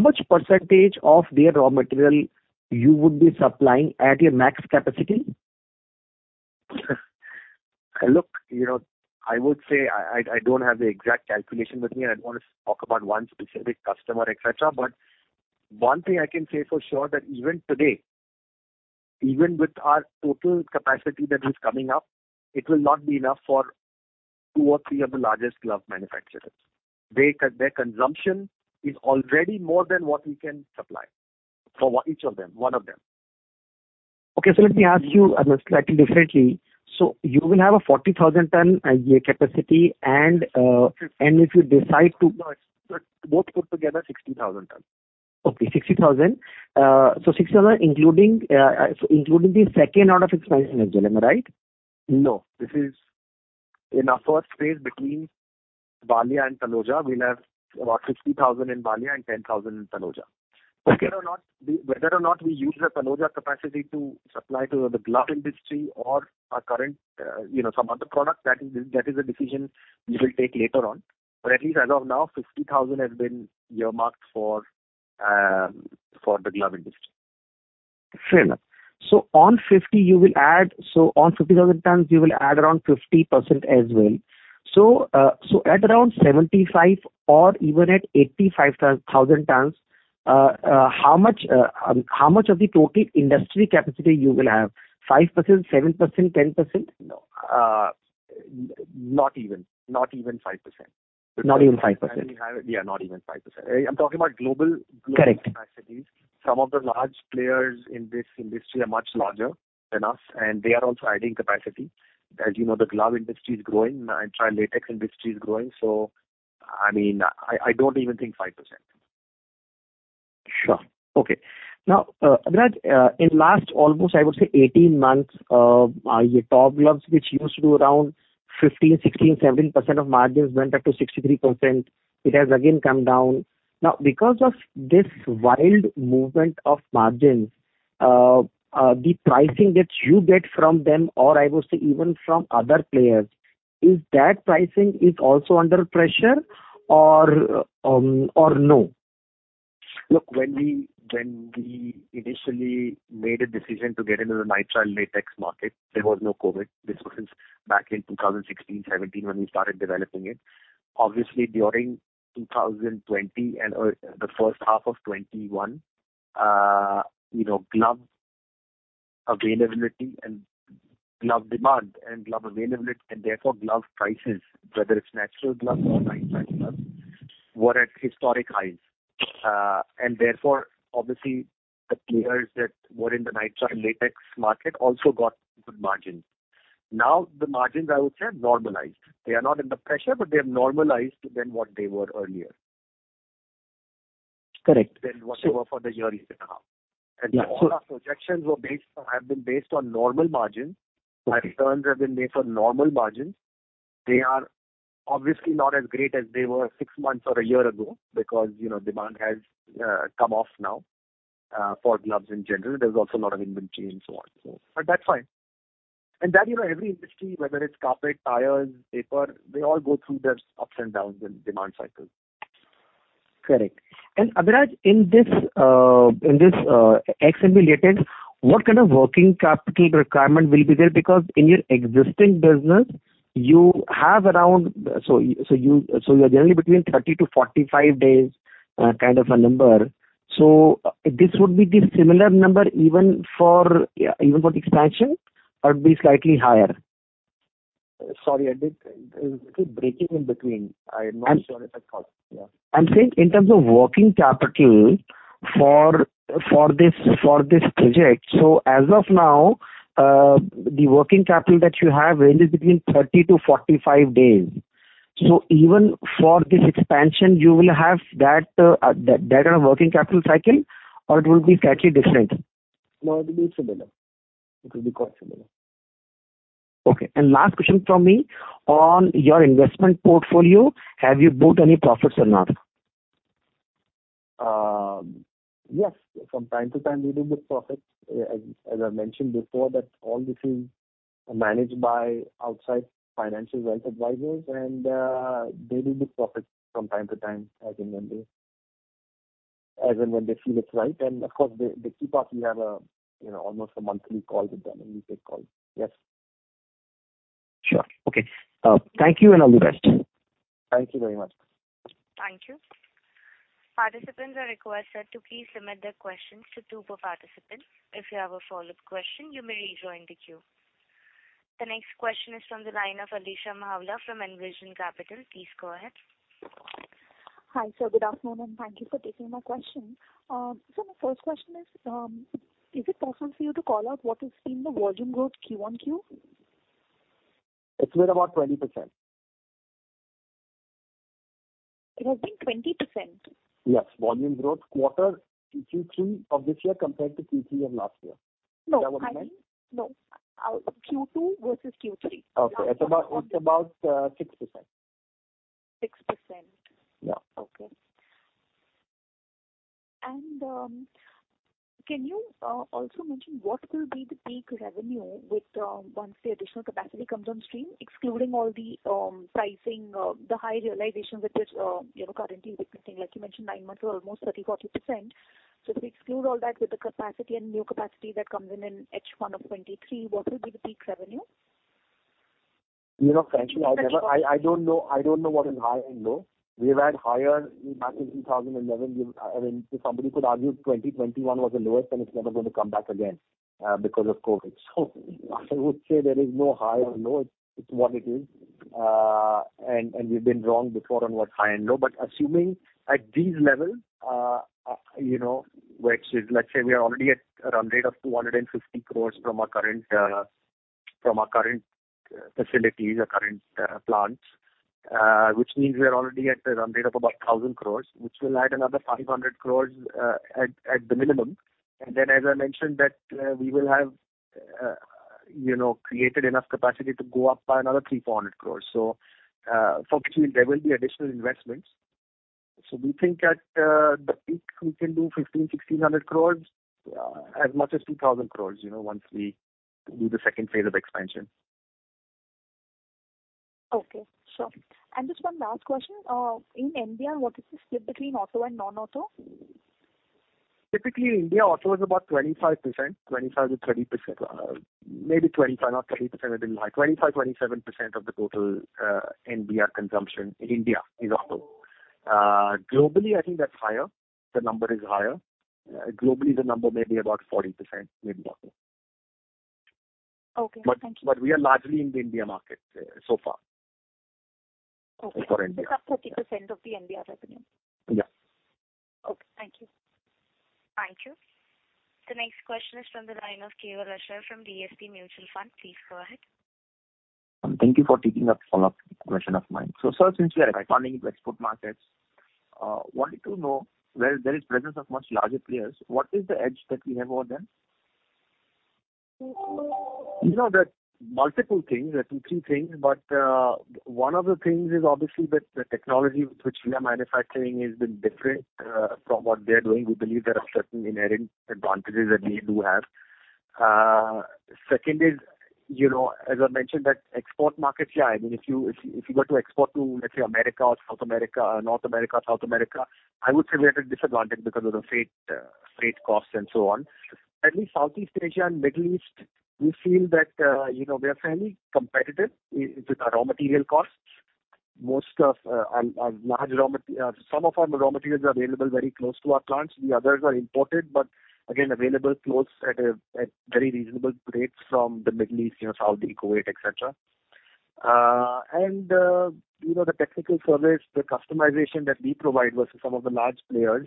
much percentage of their raw material you would be supplying at your max capacity? Look, you know, I would say I don't have the exact calculation with me, and I don't wanna talk about one specific customer, et cetera. One thing I can say for sure that even today, even with our total capacity that is coming up, it will not be enough for two or three of the largest glove manufacturers. Their consumption is already more than what we can supply for each of them, one of them. Okay. Let me ask you slightly differently. You will have a 40,000 ton capacity and if you decide to- No. Both put together, 60,000 tons. Okay, 60,000. 60,000 including the second order of expansion as well, am I right? No, this is in our first phase between Valia and Taloja. We'll have about 50,000 in Valia and 10,000 in Taloja. Okay. Whether or not we use the Taloja capacity to supply to the glove industry or our current, some other product, that is a decision we will take later on. At least as of now, 50,000 has been earmarked for the glove industry. Fair enough. On 50,000 tons you will add around 50% as well. At around 75 or even at 85,000 tons, how much of the total industry capacity you will have? 5%, 7%, 10%? No, not even 5%. Not even 5%. Yeah, not even 5%. I'm talking about global- Correct. Global capacities. Some of the large players in this industry are much larger than us, and they are also adding capacity. As you know, the glove industry is growing, nitrile latex industry is growing, so I mean, I don't even think 5%. Sure. Okay. Now, Abhiraj, in last almost I would say 18 months, your Top Glove which used to do around 15%, 16%, 17% of margins went up to 63%. It has again come down. Now, because of this wild movement of margins, the pricing that you get from them or I would say even from other players, is that pricing is also under pressure or no? Look, when we initially made a decision to get into the nitrile latex market, there was no COVID. This was since back in 2016, 2017 when we started developing it. Obviously during 2020 and the first half of 2021, you know, glove availability and glove demand and therefore glove prices, whether it's natural gloves or nitrile gloves, were at historic highs. Therefore obviously the players that were in the nitrile latex market also got good margins. Now, the margins I would say have normalized. They are not under pressure, but they have normalized than what they were earlier. Correct. Than what they were for the year and a half. Yeah. All our projections have been based on normal margins. Okay. Our returns have been made for normal margins. They are obviously not as great as they were six months or a year ago because, you know, demand has come off now for gloves in general. There's also a lot of inventory and so on, so. But that's fine. That, you know, every industry, whether it's carpet, tires, paper, they all go through their ups and downs in demand cycle. Correct. Abhiraj, in this XNB latex, what kind of working capital requirement will be there? Because in your existing business you have around. You're generally between 30 to 45 days kind of a number. This would be the similar number even for the expansion or it'll be slightly higher? There was a little breaking in between. I'm not sure if I caught. Yeah. I'm saying in terms of working capital for this project. As of now, the working capital that you have ranges between 30 to 45 days. Even for this expansion you will have that kind of working capital cycle or it will be slightly different? No, it'll be similar. It will be quite similar. Okay. Last question from me. On your investment portfolio, have you booked any profits or not? Yes. From time to time we do book profits. As I mentioned before that all this is managed by outside financial wealth advisors and they do book profits from time to time as and when they feel it's right. Of course they keep us. We have a, you know, almost a monthly call with them and we take calls. Yes. Sure. Okay. Thank you and all the best. Thank you very much. Thank you. Participants are requested to please submit their questions to the participants. If you have a follow-up question, you may rejoin the queue. The next question is from the line of Alisha Mahawla from Envision Capital. Please go ahead. Hi, sir. Good afternoon, and thank you for taking my question. My first question is it possible for you to call out what has been the volume growth QonQ? It's been about 20%. It has been 20%? Yes. Volume growth quarter in Q3 of this year compared to Q3 of last year. No. Is that what you meant? No. Q2 versus Q3. Okay. It's about 6%. 6%. Yeah. Okay. Can you also mention what will be the peak revenue with once the additional capacity comes on stream, excluding all the pricing, the high realization which we are, you know, currently witnessing, like you mentioned, nine months or almost 30%-40%. If we exclude all that with the capacity and new capacity that comes in in H1 of 2023, what will be the peak revenue? You know, frankly I've never. Is that- I don't know what is high and low. We've had higher back in 2011. I mean, if somebody could argue 2021 was the lowest, then it's never going to come back again because of COVID. I would say there is no high or low. It's what it is. We've been wrong before on what's high and low. But assuming at these levels, you know, which is let's say we are already at a run rate of 250 crores from our current facilities or current plants, which means we are already at a run rate of about 1,000 crores, which will add another 500 crores at the minimum. As I mentioned that we will have, you know, created enough capacity to go up by another 300 crores, INR 400 crores. For which there will be additional investments. We think at the peak we can do 1,500 crores, 1,600 crores, as much as 2,000 crores, you know, once we do the second phase of expansion. Okay, sure. Just one last question. In India, what is the split between auto and non-auto? Typically, India auto is about 25%, 25%-30%. Maybe 25%, not 30%. 25%-27% of the total NBR consumption in India is auto. Globally, I think that's higher. The number is higher. Globally the number may be about 40%, maybe more. Okay. Thank you. We are largely in the India market, so far. Okay. For India. It's up 30% of the NBR revenue. Yeah. Okay. Thank you. Thank you. The next question is from the line of Keval Ashar from DSP Mutual Fund. Please go ahead. Thank you for taking a follow-up question of mine. Sir, since we are expanding into export markets, wanted to know where there is presence of much larger players, what is the edge that we have over them? You know, there are multiple things. There are two, three things. One of the things is obviously with the technology with which we are manufacturing is a bit different from what they're doing. We believe there are certain inherent advantages that we do have. Second is, you know, as I mentioned that export markets, yeah, I mean, if you go to export to, let's say, America or South America, North America, South America, I would say we're at a disadvantage because of the freight costs and so on. At least Southeast Asia and Middle East, we feel that we are fairly competitive with the raw material costs. Some of our raw materials are available very close to our plants. The others are imported, but again, available close at very reasonable rates from the Middle East, Saudi, Kuwait, et cetera. The technical service, the customization that we provide versus some of the large players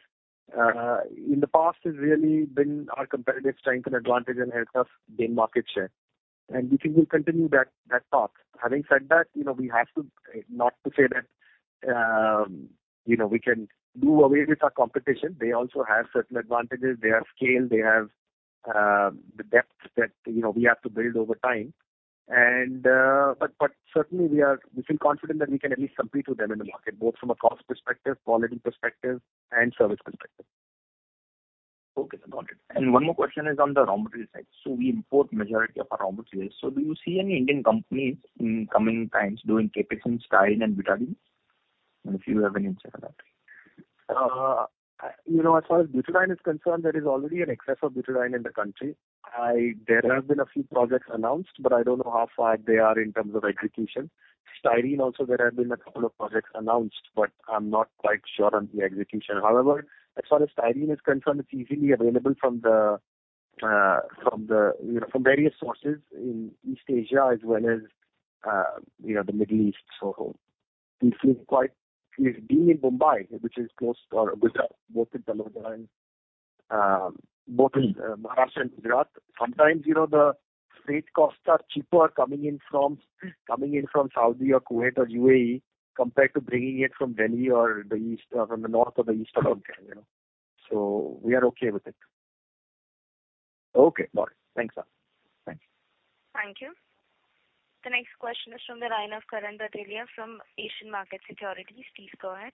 in the past has really been our competitive strength and advantage and helped us gain market share. We think we'll continue that path. Having said that, not to say that we can do away with our competition. They also have certain advantages. They have scale. They have the depth that, you know, we have to build over time. But certainly we feel confident that we can at least compete with them in the market, both from a cost perspective, quality perspective, and service perspective. Okay. Got it. One more question is on the raw material side. We import majority of our raw materials. Do you see any Indian companies in coming times doing CapEx in styrene and butadiene? If you have any insight on that. You know, as far as butadiene is concerned, there is already an excess of butadiene in the country. There have been a few projects announced, but I don't know how far they are in terms of execution. Styrene also there have been a couple of projects announced, but I'm not quite sure on the execution. However, as far as styrene is concerned, it's easily available from various sources in East Asia as well as the Middle East. We feel quite comfortable being in Mumbai, which is close, or Gujarat, both with the butadiene, both in Maharashtra and Gujarat, sometimes, you know, the freight costs are cheaper coming in from Saudi or Kuwait or U.A.E. compared to bringing it from Delhi or the east, or from the north or the east or down there, you know. We are okay with it. Okay. Got it. Thanks, sir. Thanks. Thank you. The next question is from the line of Karan Bhatelia from Asian Markets Securities. Please go ahead.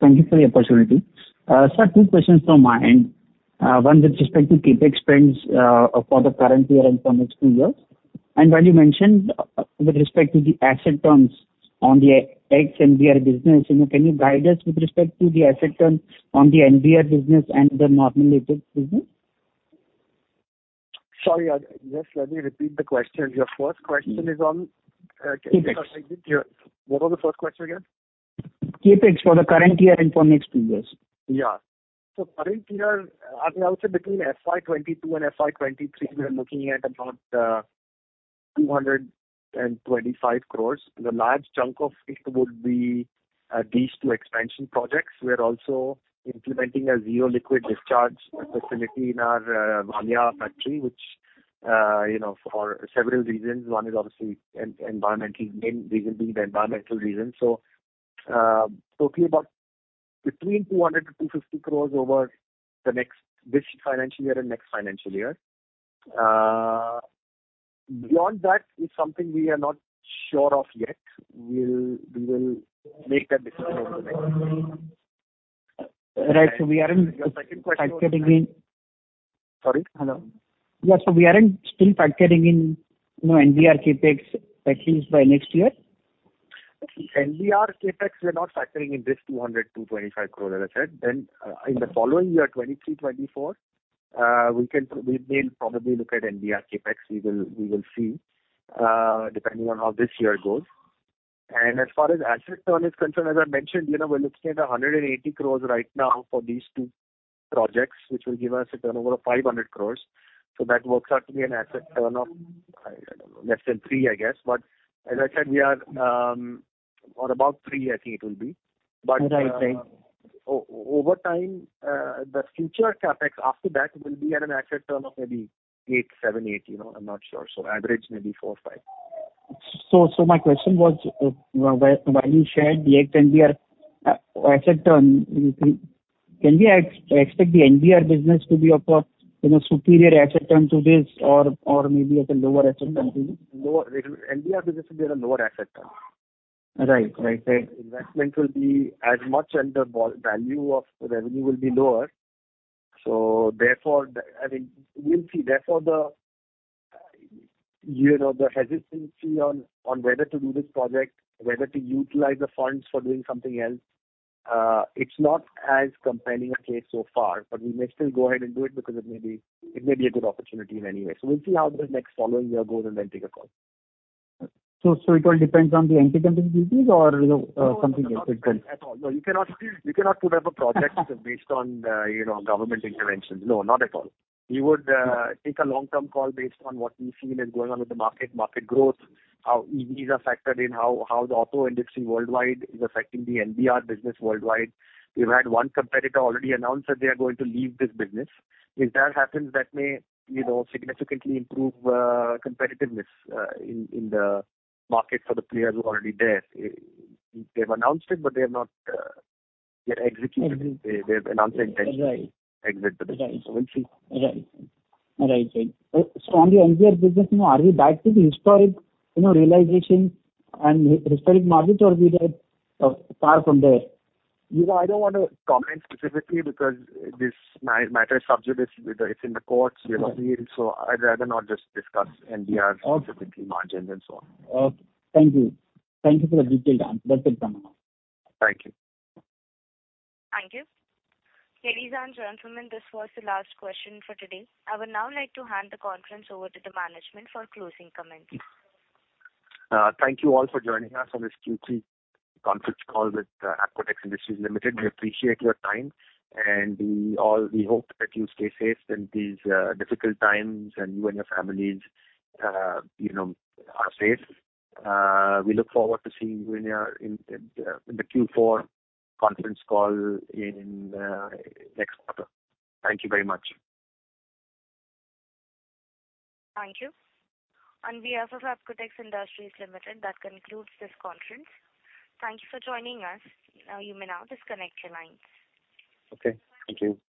Thank you for the opportunity. Sir, two questions from my end. One with respect to CapEx spends for the current year and for next two years. When you mentioned with respect to the asset turns on the ex-NBR business, you know, can you guide us with respect to the asset turn on the NBR business and the non-NBR business? Sorry, just let me repeat the question. Your first question is on CapEx or- CapEx. What was the first question again? CapEx for the current year and for next two years. Current year, I mean, I would say between FY 2022 and FY 2023, we are looking at about 225 crore. The large chunk of it would be these two expansion projects. We are also implementing a zero liquid discharge facility in our Valia factory, which you know, for several reasons, one is obviously environmentally. Main reason being the environmental reason. Talking about between 200 crore and 250 crore over the next, this financial year and next financial year. Beyond that is something we are not sure of yet. We will make that decision over there. Right. We are in- Your second question was? Factoring in. Sorry. Hello. Yeah. We aren't still factoring in, you know, NBR CapEx at least by next year? NBR CapEx, we are not factoring in this 200 crore, 225 crore, as I said. In the following year, 2023, 2024, we'll probably look at NBR CapEx. We will see, depending on how this year goes. As far as asset turn is concerned, as I mentioned, you know, we're looking at 180 crore right now for these two projects, which will give us a turnover of 500 crore. That works out to be an asset turn of, I don't know, less than three, I guess. As I said, we are or about three, I think it will be. Right. Right. Over time, the future CapEx after that will be at an asset turn of maybe 8, 7, 8, you know, I'm not sure. Average maybe 4 or 5. My question was, while you shared the NBR asset turn, can we expect the NBR business to be of a, you know, superior asset turn to this or maybe at a lower asset turn to this? Lower. NBR business will be at a lower asset turn. Right, right. The investment will be as much and the value of the revenue will be lower. Therefore, I mean, we'll see. Therefore, you know, the hesitancy on whether to do this project, whether to utilize the funds for doing something else, it's not as compelling a case so far, but we may still go ahead and do it because it may be a good opportunity in any way. We'll see how the next following year goes and then take a call. It all depends on the antidumping duties or, you know, something else. It depends. No, not at all. No, you cannot put up a project based on, you know, government interventions. No, not at all. We would take a long-term call based on what we feel is going on with the market growth, how EVs are factored in, how the auto industry worldwide is affecting the NBR business worldwide. We've had one competitor already announce that they are going to leave this business. If that happens, that may, you know, significantly improve competitiveness in the market for the players who are already there. They've announced it, but they have not yet executed. Executed. They have announced their intention. Right. Exit the business. Right. We'll see. Right. All right. On the NBR business, you know, are we back to the historic, you know, realization and historic market or we are far from there? You know, I don't wanna comment specifically because this matter subject is. It's in the courts, you know. Okay. I'd rather not just discuss NBR. Okay. Specifically margins and so on. Okay. Thank you. Thank you for the detailed answer. That's it from my end. Thank you. Thank you. Ladies and gentlemen, this was the last question for today. I would now like to hand the conference over to the management for closing comments. Thank you all for joining us on this Q3 conference call with Apcotex Industries Ltd. We appreciate your time, and we hope that you stay safe in these difficult times, and you and your families, you know, are safe. We look forward to seeing you in the Q4 conference call in next quarter. Thank you very much. Thank you. On behalf of Apcotex Industries Ltd, that concludes this conference. Thank you for joining us. You may now disconnect your lines. Okay. Thank you.